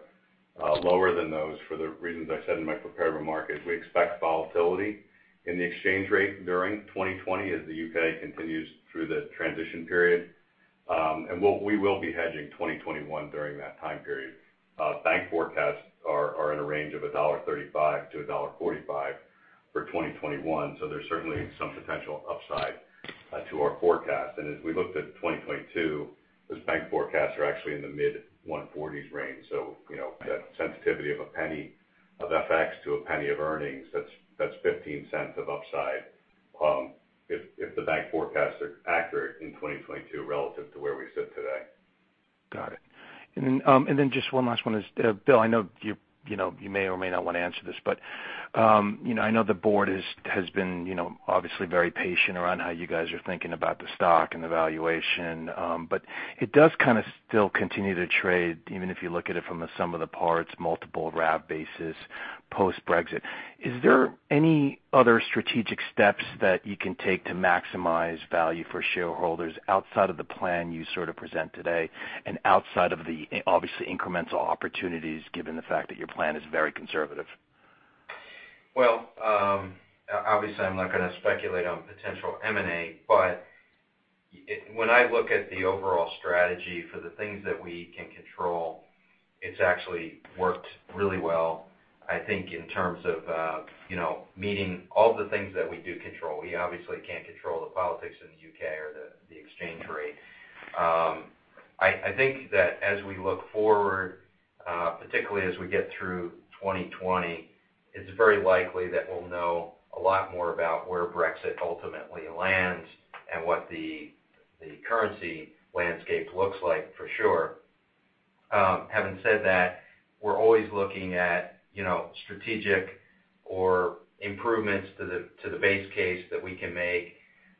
lower than those for the reasons I said in my prepared remarks. We expect volatility in the exchange rate during 2020 as the U.K. continues through the transition period. We will be hedging 2021 during that time period. Bank forecasts are in a range of $1.35 to $1.45 for 2021, so there's certainly some potential upside to our forecast. As we looked at 2022, those bank forecasts are actually in the mid 1.40s range, so that sensitivity of $0.01 of FX to $0.01 of earnings, that's $0.15 of upside if the bank forecasts are accurate in 2022 relative to where we sit today. Got it. Just one last one is, William, I know you may or may not want to answer this, but I know the Board has been obviously very patient around how you guys are thinking about the stock and the valuation. It does kind of still continue to trade, even if you look at it from the sum of the parts, multiple RAV basis, post-Brexit. Is there any other strategic steps that you can take to maximize value for shareholders outside of the plan you sort of present today, and outside of the obviously incremental opportunities, given the fact that your plan is very conservative? Well, obviously, I'm not going to speculate on potential M&A, but when I look at the overall strategy for the things that we can control, it's actually worked really well, I think, in terms of meeting all the things that we do control. We obviously can't control the politics in the U.K. or the exchange rate. I think that as we look forward, particularly as we get through 2020, it's very likely that we'll know a lot more about where Brexit ultimately lands and what the currency landscape looks like for sure. Having said that, we're always looking at strategic or improvements to the base case that we can make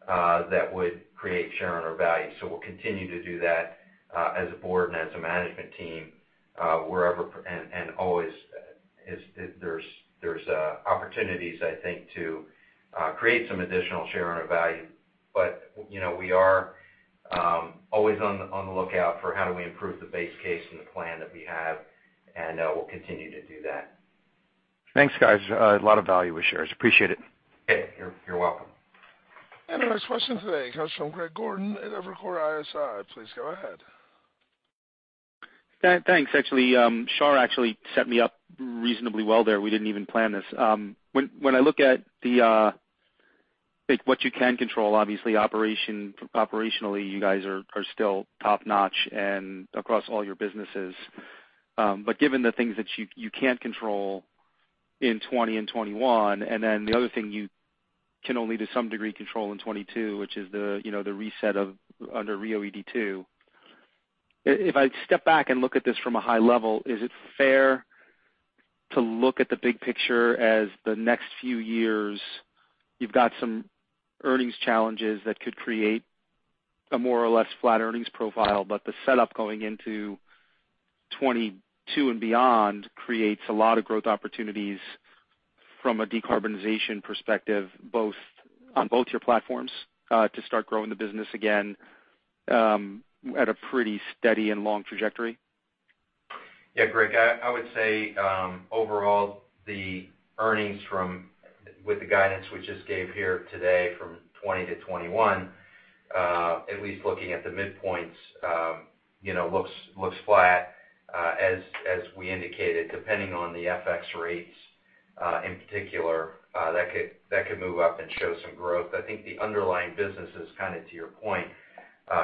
that would create shareholder value. We'll continue to do that as a board and as a management team, wherever and always as there's opportunities, I think, to create some additional shareholder value. We are always on the lookout for how do we improve the base case and the plan that we have, and we'll continue to do that. Thanks, guys. A lot of value with shares. Appreciate it. Hey, you're welcome. Our next question today comes from Greg Gordon at Evercore ISI. Please go ahead. Thanks. Actually, Shahriar actually set me up reasonably well there. We didn't even plan this. When I look at what you can control, obviously operationally, you guys are still top-notch and across all your businesses. Given the things that you can't control in 2020 and 2021, and then the other thing you can only to some degree control in 2022, which is the reset under RIIO-ED2. If I step back and look at this from a high level, is it fair to look at the big picture as the next few years, you've got some earnings challenges that could create a more or less flat earnings profile, but the setup going into 2022 and beyond creates a lot of growth opportunities from a decarbonization perspective, on both your platforms, to start growing the business again at a pretty steady and long trajectory? Yeah, Greg, I would say, overall, the earnings with the guidance we just gave here today from 2020 to 2021, at least looking at the midpoints, looks flat as we indicated, depending on the FX rates, in particular, that could move up and show some growth. I think the underlying business is kind of to your point,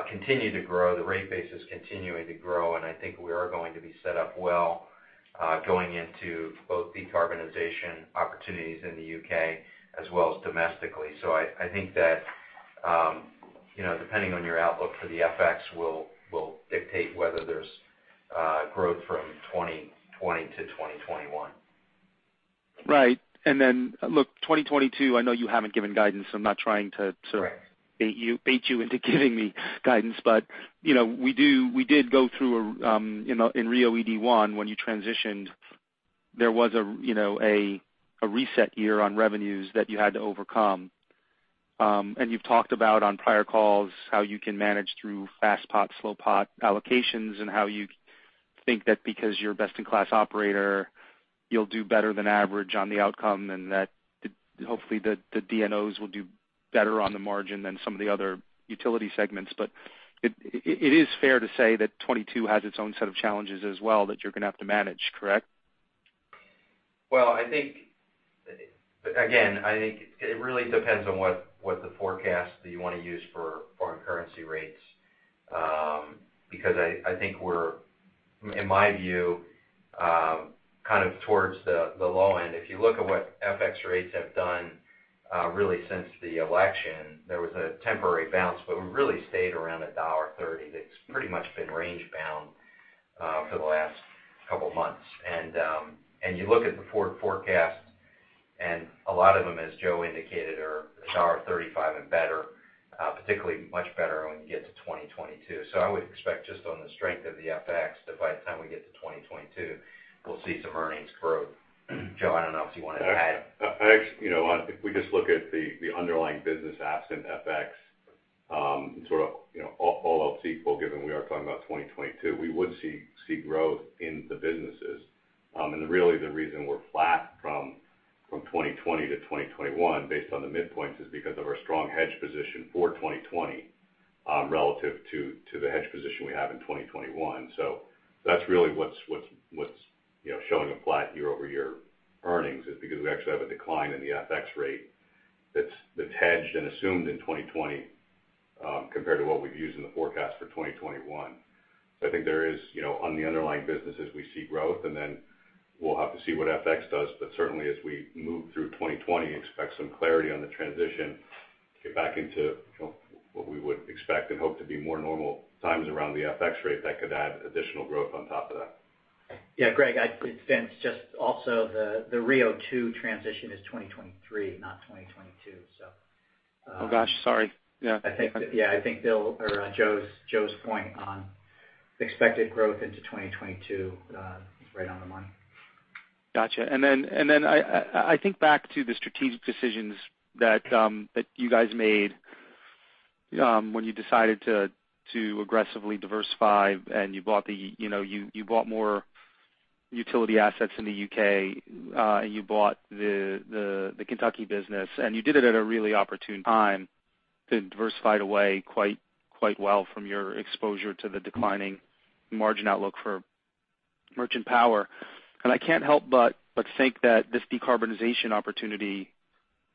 continue to grow. The rate base is continuing to grow, and I think we are going to be set up well going into both decarbonization opportunities in the U.K. as well as domestically. I think that depending on your outlook for the FX will dictate whether there's growth from 2020 to 2021. Right. Then look, 2022, I know you haven't given guidance. Right Bait you into giving me guidance. We did go through in RIIO-ED1, when you transitioned, there was a reset year on revenues that you had to overcome. And you've talked about on prior calls how you can manage through fast pot, slow pot allocations and how you think that because you're a best-in-class operator, you'll do better than average on the outcome, and that hopefully the DNOs will do better on the margin than some of the other utility segments. It is fair to say that 2022 has its own set of challenges as well that you're going to have to manage, correct? Well, again, I think it really depends on what the forecast that you want to use for foreign currency rates. I think we're, in my view, kind of towards the low end. If you look at what FX rates have done really since the election, there was a temporary bounce, but we really stayed around $1.30. It's pretty much been range bound for the last couple of months. You look at the forward forecast, and a lot of them, as Joseph indicated, are $1.35 and better, particularly much better when we get to 2022. I would expect just on the strength of the FX that by the time we get to 2022, we'll see some earnings growth. Joseph, I don't know if you want to add. If we just look at the underlying business absent FX, sort of all else equal, given we are talking about 2022, we would see growth in the businesses. Really the reason we're flat from 2020 to 2021 based on the midpoints is because of our strong hedge position for 2020 relative to the hedge position we have in 2021. That's really what's showing a flat year-over-year earnings is because we actually have a decline in the FX rate that's hedged and assumed in 2020 compared to what we've used in the forecast for 2021. I think there is, on the underlying businesses, we see growth, and then we'll have to see what FX does, but certainly as we move through 2020, expect some clarity on the transition to get back into what we would expect and hope to be more normal times around the FX rate that could add additional growth on top of that. Yeah, Greg, I'd Vincent, just also the RIIO-2 transition is 2023, not 2022. Oh, gosh, sorry. Yeah. Yeah, I think Bill or Joe's point on expected growth into 2022 is right on the money. Got you. Then I think back to the strategic decisions that you guys made when you decided to aggressively diversify, you bought more utility assets in the U.K., and you bought the Kentucky business, and you did it at a really opportune time to diversify it away quite well from your exposure to the declining margin outlook for merchant power. I can't help but think that this decarbonization opportunity,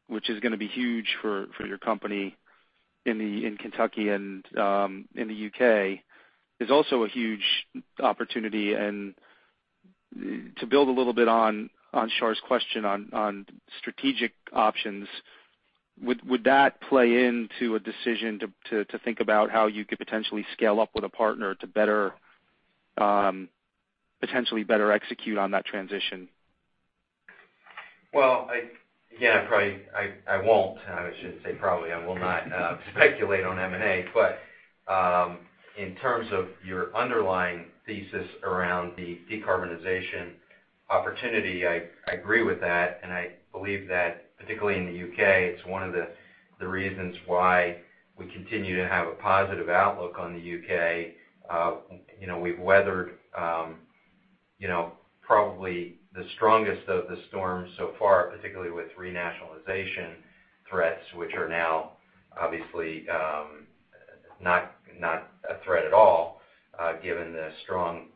which is going to be huge for your company in Kentucky and in the U.K., is also a huge opportunity. To build a little bit on Shahriar's question on strategic options, would that play into a decision to think about how you could potentially scale up with a partner to potentially better execute on that transition? Well, again, I will not speculate on M&A. In terms of your underlying thesis around the decarbonization opportunity, I agree with that, and I believe that particularly in the U.K., it's one of the reasons why we continue to have a positive outlook on the U.K. We've weathered probably the strongest of the storms so far, particularly with re-nationalization threats, which are now obviously not a threat at all given the strong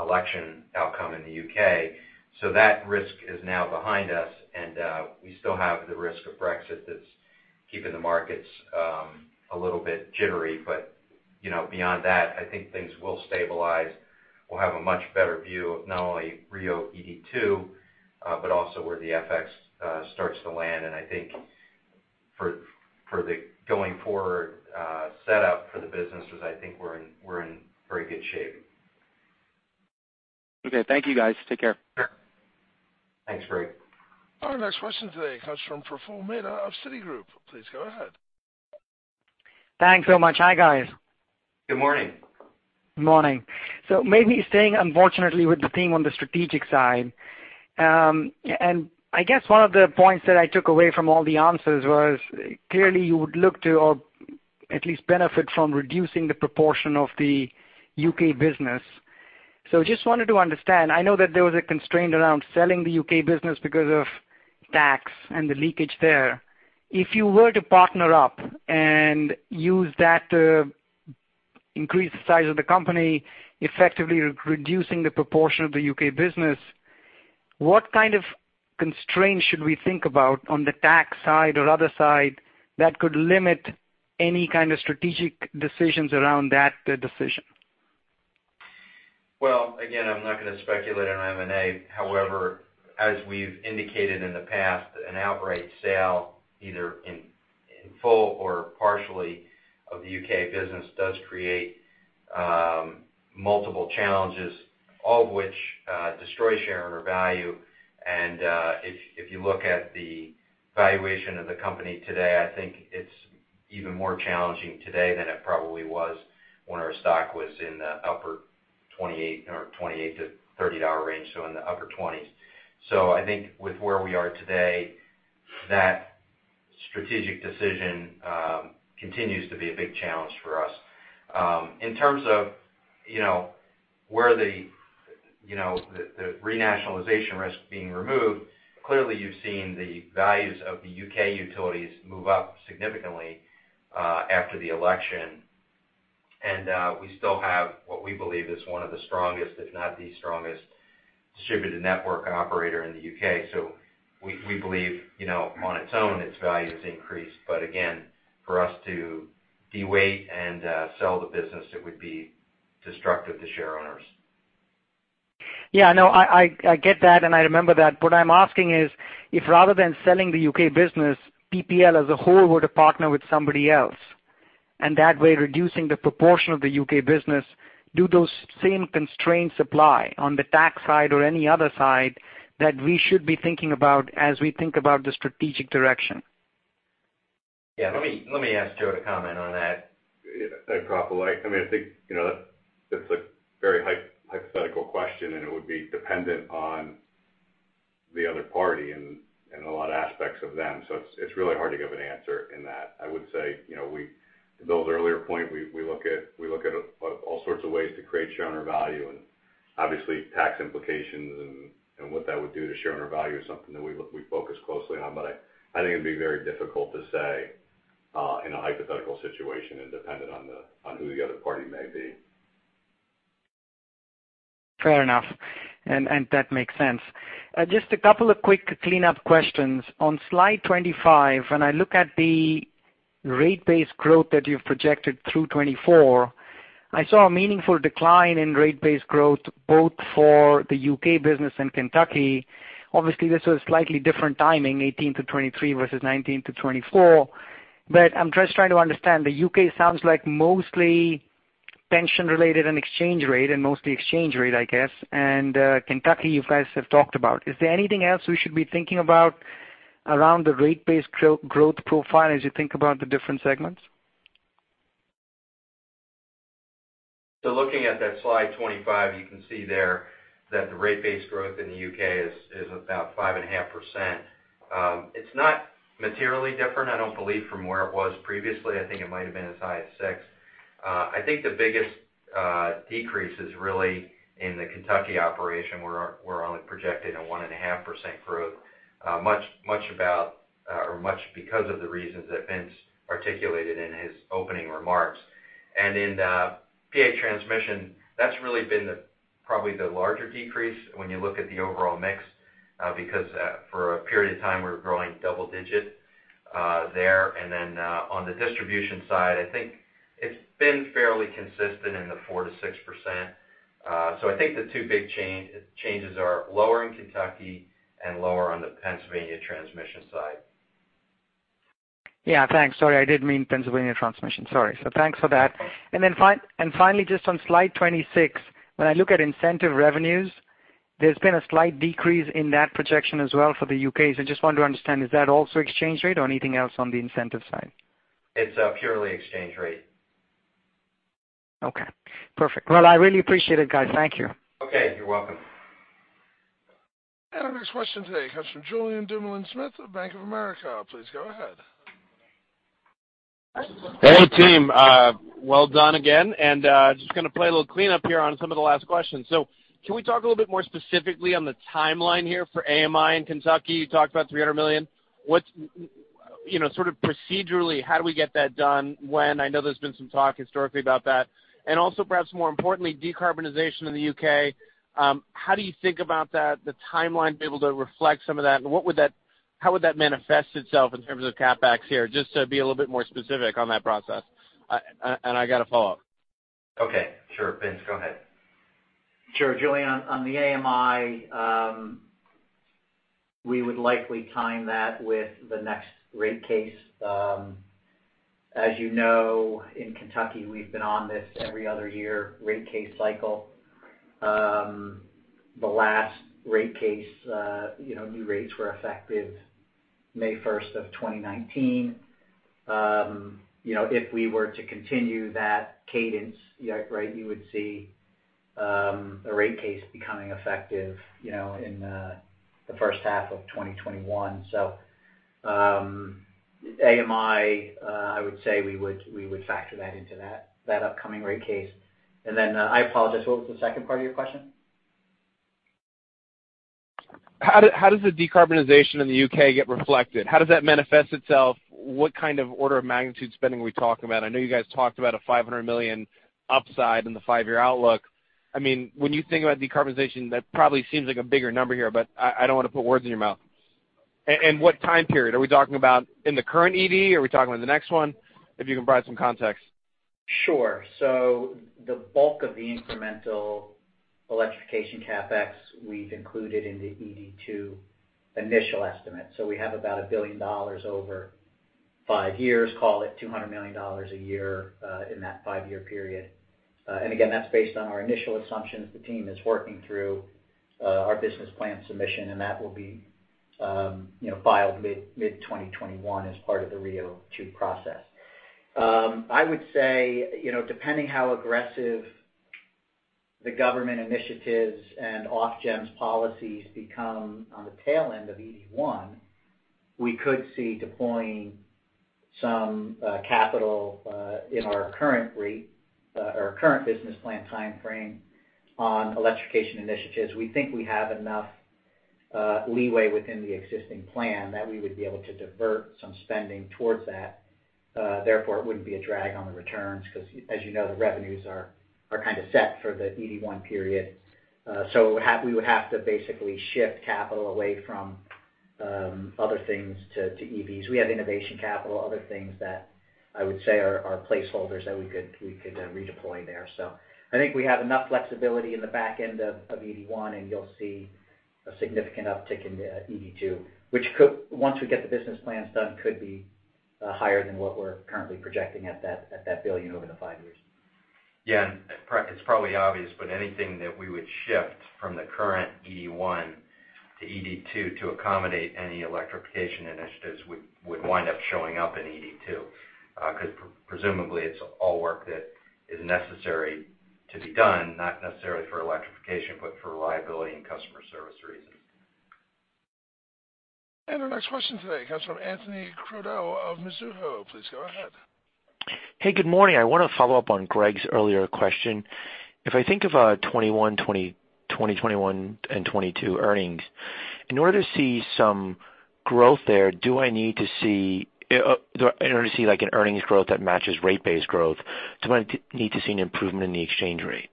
election outcome in the U.K. So that risk is now behind us, and we still have the risk of Brexit that's keeping the markets a little bit jittery. Beyond that, I think things will stabilize. We'll have a much better view of not only RIIO-ED2, but also where the FX starts to land. I think, for the going forward setup for the business was, I think we're in very good shape. Okay. Thank you, guys. Take care. Sure. Thanks, Greg. Our next question today comes from Praful Mehta of Citigroup. Please go ahead. Thanks so much. Hi, guys. Good morning. Morning. Maybe staying, unfortunately, with the theme on the strategic side. I guess one of the points that I took away from all the answers was, clearly you would look to or at least benefit from reducing the proportion of the U.K. business. Just wanted to understand, I know that there was a constraint around selling the U.K. business because of tax and the leakage there. If you were to partner up and use that to increase the size of the company, effectively reducing the proportion of the U.K. business, what kind of constraints should we think about on the tax side or other side that could limit any kind of strategic decisions around that decision? Well, again, I'm not going to speculate on M&A. However, as we've indicated in the past, an outright sale, either in full or partially of the U.K. business, does create multiple challenges, all of which destroy shareowner value. If you look at the valuation of the company today, I think it's even more challenging today than it probably was when our stock was in the upper $28 to $30 range, so in the upper $20s. I think with where we are today, that strategic decision continues to be a big challenge for us. In terms of where the renationalization risk being removed, clearly you've seen the values of the U.K. utilities move up significantly after the election. We still have what we believe is one of the strongest, if not the strongest, distributed network operator in the U.K. We believe, on its own, its value has increased. Bu again, for us to de-weight and sell the business, it would be destructive to shareowners. Yeah, no, I get that and I remember that. What I'm asking is, if rather than selling the U.K. business, PPL as a whole were to partner with somebody else, and that way, reducing the proportion of the U.K. business, do those same constraints apply on the tax side or any other side that we should be thinking about as we think about the strategic direction? Yeah, let me ask Joe to comment on that. Praful, I think that's a very hypothetical question. It would be dependent on the other party and a lot of aspects of them. It's really hard to give an answer in that. I would say, to Bill's earlier point, we look at all sorts of ways to create shareowner value. Obviously tax implications and what that would do to shareowner value is something that we focus closely on. I think it'd be very difficult to say in a hypothetical situation and dependent on who the other party may be. Fair enough. That makes sense. Just a couple of quick cleanup questions. On slide 25, when I look at the rate base growth that you've projected through 2024, I saw a meaningful decline in rate base growth both for the U.K. business and Kentucky. Obviously, this was slightly different timing, 2018 to 2023 versus 2019 to 2024. I'm just trying to understand, the U.K. sounds like mostly pension-related and exchange rate, and mostly exchange rate, I guess. Kentucky, you guys have talked about. Is there anything else we should be thinking about around the rate base growth profile as you think about the different segments? Looking at that slide 25, you can see there that the rate base growth in the U.K. is about 5.5%. It's not materially different, I don't believe, from where it was previously. I think it might have been as high as six. I think the biggest decrease is really in the Kentucky operation, where we're only projecting a 1.5% growth, much because of the reasons that Vincent articulated in his opening remarks. In P.A. Transmission, that's really been probably the larger decrease when you look at the overall mix, because for a period of time, we were growing double digit there. On the distribution side, I think it's been fairly consistent in the 4% to 6%. I think the two big changes are lower in Kentucky and lower on the Pennsylvania Transmission side. Yeah, thanks. Sorry, I did mean Pennsylvania Transmission. Sorry. Thanks for that. Finally, just on slide 26, when I look at incentive revenues, there's been a slight decrease in that projection as well for the U.K. I just wanted to understand, is that also exchange rate or anything else on the incentive side? It's purely exchange rate. Okay. Perfect. Well, I really appreciate it, guys. Thank you. Okay, you're welcome. Our next question today comes from Julien Dumoulin-Smith of Bank of America. Please go ahead. Hey, team. Well done again. Just going to play a little cleanup here on some of the last questions. Can we talk a little bit more specifically on the timeline here for AMI in Kentucky? You talked about $300 million. Sort of procedurally, how do we get that done? I know there's been some talk historically about that. Also perhaps more importantly, decarbonization in the U.K. How do you think about that, the timeline to be able to reflect some of that, and how would that manifest itself in terms of CapEx here? Just to be a little bit more specific on that process. I got a follow-up. Okay, sure. Vincent, go ahead. Sure, Julien. On the AMI, we would likely time that with the next rate case. As you know, in Kentucky, we've been on this every other year rate case cycle. The last rate case, new rates were effective May 1st of 2019. If we were to continue that cadence, you would see a rate case becoming effective in the H1 of 2021. AMI, I would say we would factor that into that upcoming rate case. I apologize, what was the second part of your question? How does the decarbonization in the U.K. get reflected? How does that manifest itself? What kind of order of magnitude spending are we talking about? I know you guys talked about a 500 million upside in the five-year outlook. When you think about decarbonization, that probably seems like a bigger number here. I don't want to put words in your mouth. What time period? Are we talking about in the current ED? Are we talking about the next one? If you can provide some context. Sure. The bulk of the incremental electrification CapEx we've included in the ED2 initial estimate. We have about $1 billion over five years, call it $200 million a year, in that five-year period. Again, that's based on our initial assumptions. The team is working through our business plan submission, that will be filed mid-2021 as part of the RIIO-2 process. I would say, depending how aggressive the government initiatives and Ofgem's policies become on the tail end of ED1, we could see deploying some capital in our current business plan timeframe on electrification initiatives. We think we have enough leeway within the existing plan that we would be able to divert some spending towards that, therefore it wouldn't be a drag on the returns, because as you know, the revenues are kind of set for the ED1 period. So how we would have to basically shift capital away from other things to EVs. We have innovation capital, other things that I would say are placeholders that we could redeploy there. I think we have enough flexibility in the back end of ED1, and you'll see a significant uptick in ED2, which once we get the business plans done, could be higher than what we're currently projecting at that $1 billion over the five years. It's probably obvious, but anything that we would shift from the current ED1 to ED2 to accommodate any electrification initiatives would wind up showing up in ED2. Presumably it's all work that is necessary to be done, not necessarily for electrification, but for reliability and customer service reasons. Our next question today comes from Anthony Crowdell of Mizuho. Please go ahead. Hey, good morning. I want to follow up on Greg's earlier question. If I think of our 2020, 2021, and 2022 earnings, in order to see some growth there, in order to see like an earnings growth that matches rate base growth, do I need to see an improvement in the exchange rate?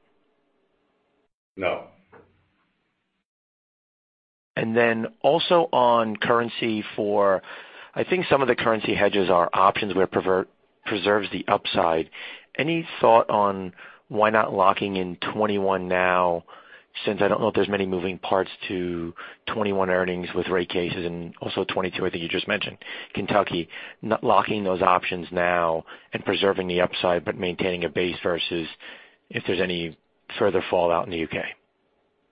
No. And then also on currency, I think some of the currency hedges are options where it preserves the upside. Any thought on why not locking in 2021 now, since I don't know if there's many moving parts to 2021 earnings with rate cases and also 2022, I think you just mentioned Kentucky, locking those options now and preserving the upside, but maintaining a base versus if there's any further fallout in the U.K.?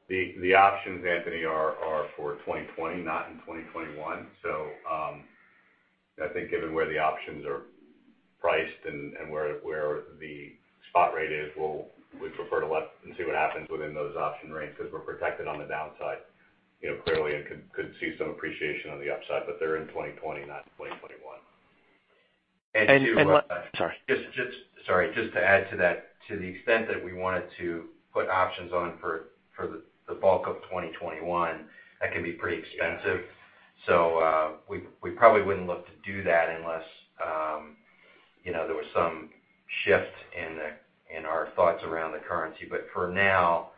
The options, Anthony, are for 2020, not in 2021. So I think given where the options are priced and where the spot rate is, we'd prefer to let and see what happens within those option rates, because we're protected on the downside. Clearly it could see some appreciation on the upside, but they're in 2020, not in 2021. Sorry. Sorry, just to add to that, to the extent that we wanted to put options on for the bulk of 2021, that can be pretty expensive. We probably wouldn't look to do that unless there was some shift in our thoughts around the currency. For now,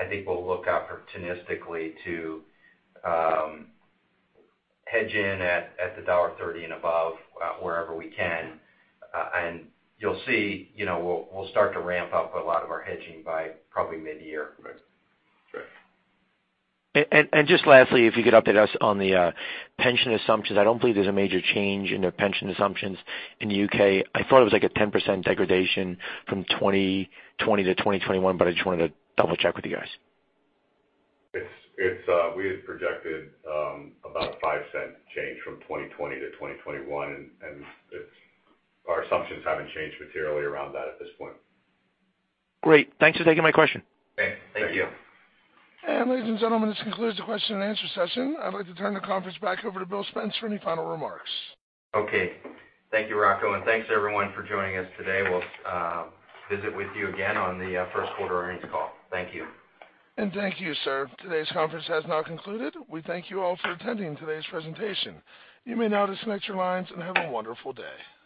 I think we'll look opportunistically to hedge in at the $1.30 and above wherever we can. You'll see, we'll start to ramp up a lot of our hedging by probably mid-year. Right. Just lastly, if you could update us on the pension assumptions. I don't believe there's a major change in the pension assumptions in the U.K. I thought it was like a 10% degradation from 2020 to 2021, but I just wanted to double-check with you guys. We had projected about a $0.05 change from 2020 to 2021, and our assumptions haven't changed materially around that at this point. Great. Thanks for taking my question. Okay. Thank you. Thank you. Ladies and gentlemen, this concludes the question and answer session. I'd like to turn the conference back over to William Spence for any final remarks. Okay. Thank you, Rocco, and thanks everyone for joining us today. We'll visit with you again on the Q1 earnings call. Thank you. Thank you, sir. Today's conference has now concluded. We thank you all for attending today's presentation. You may now disconnect your lines and have a wonderful day.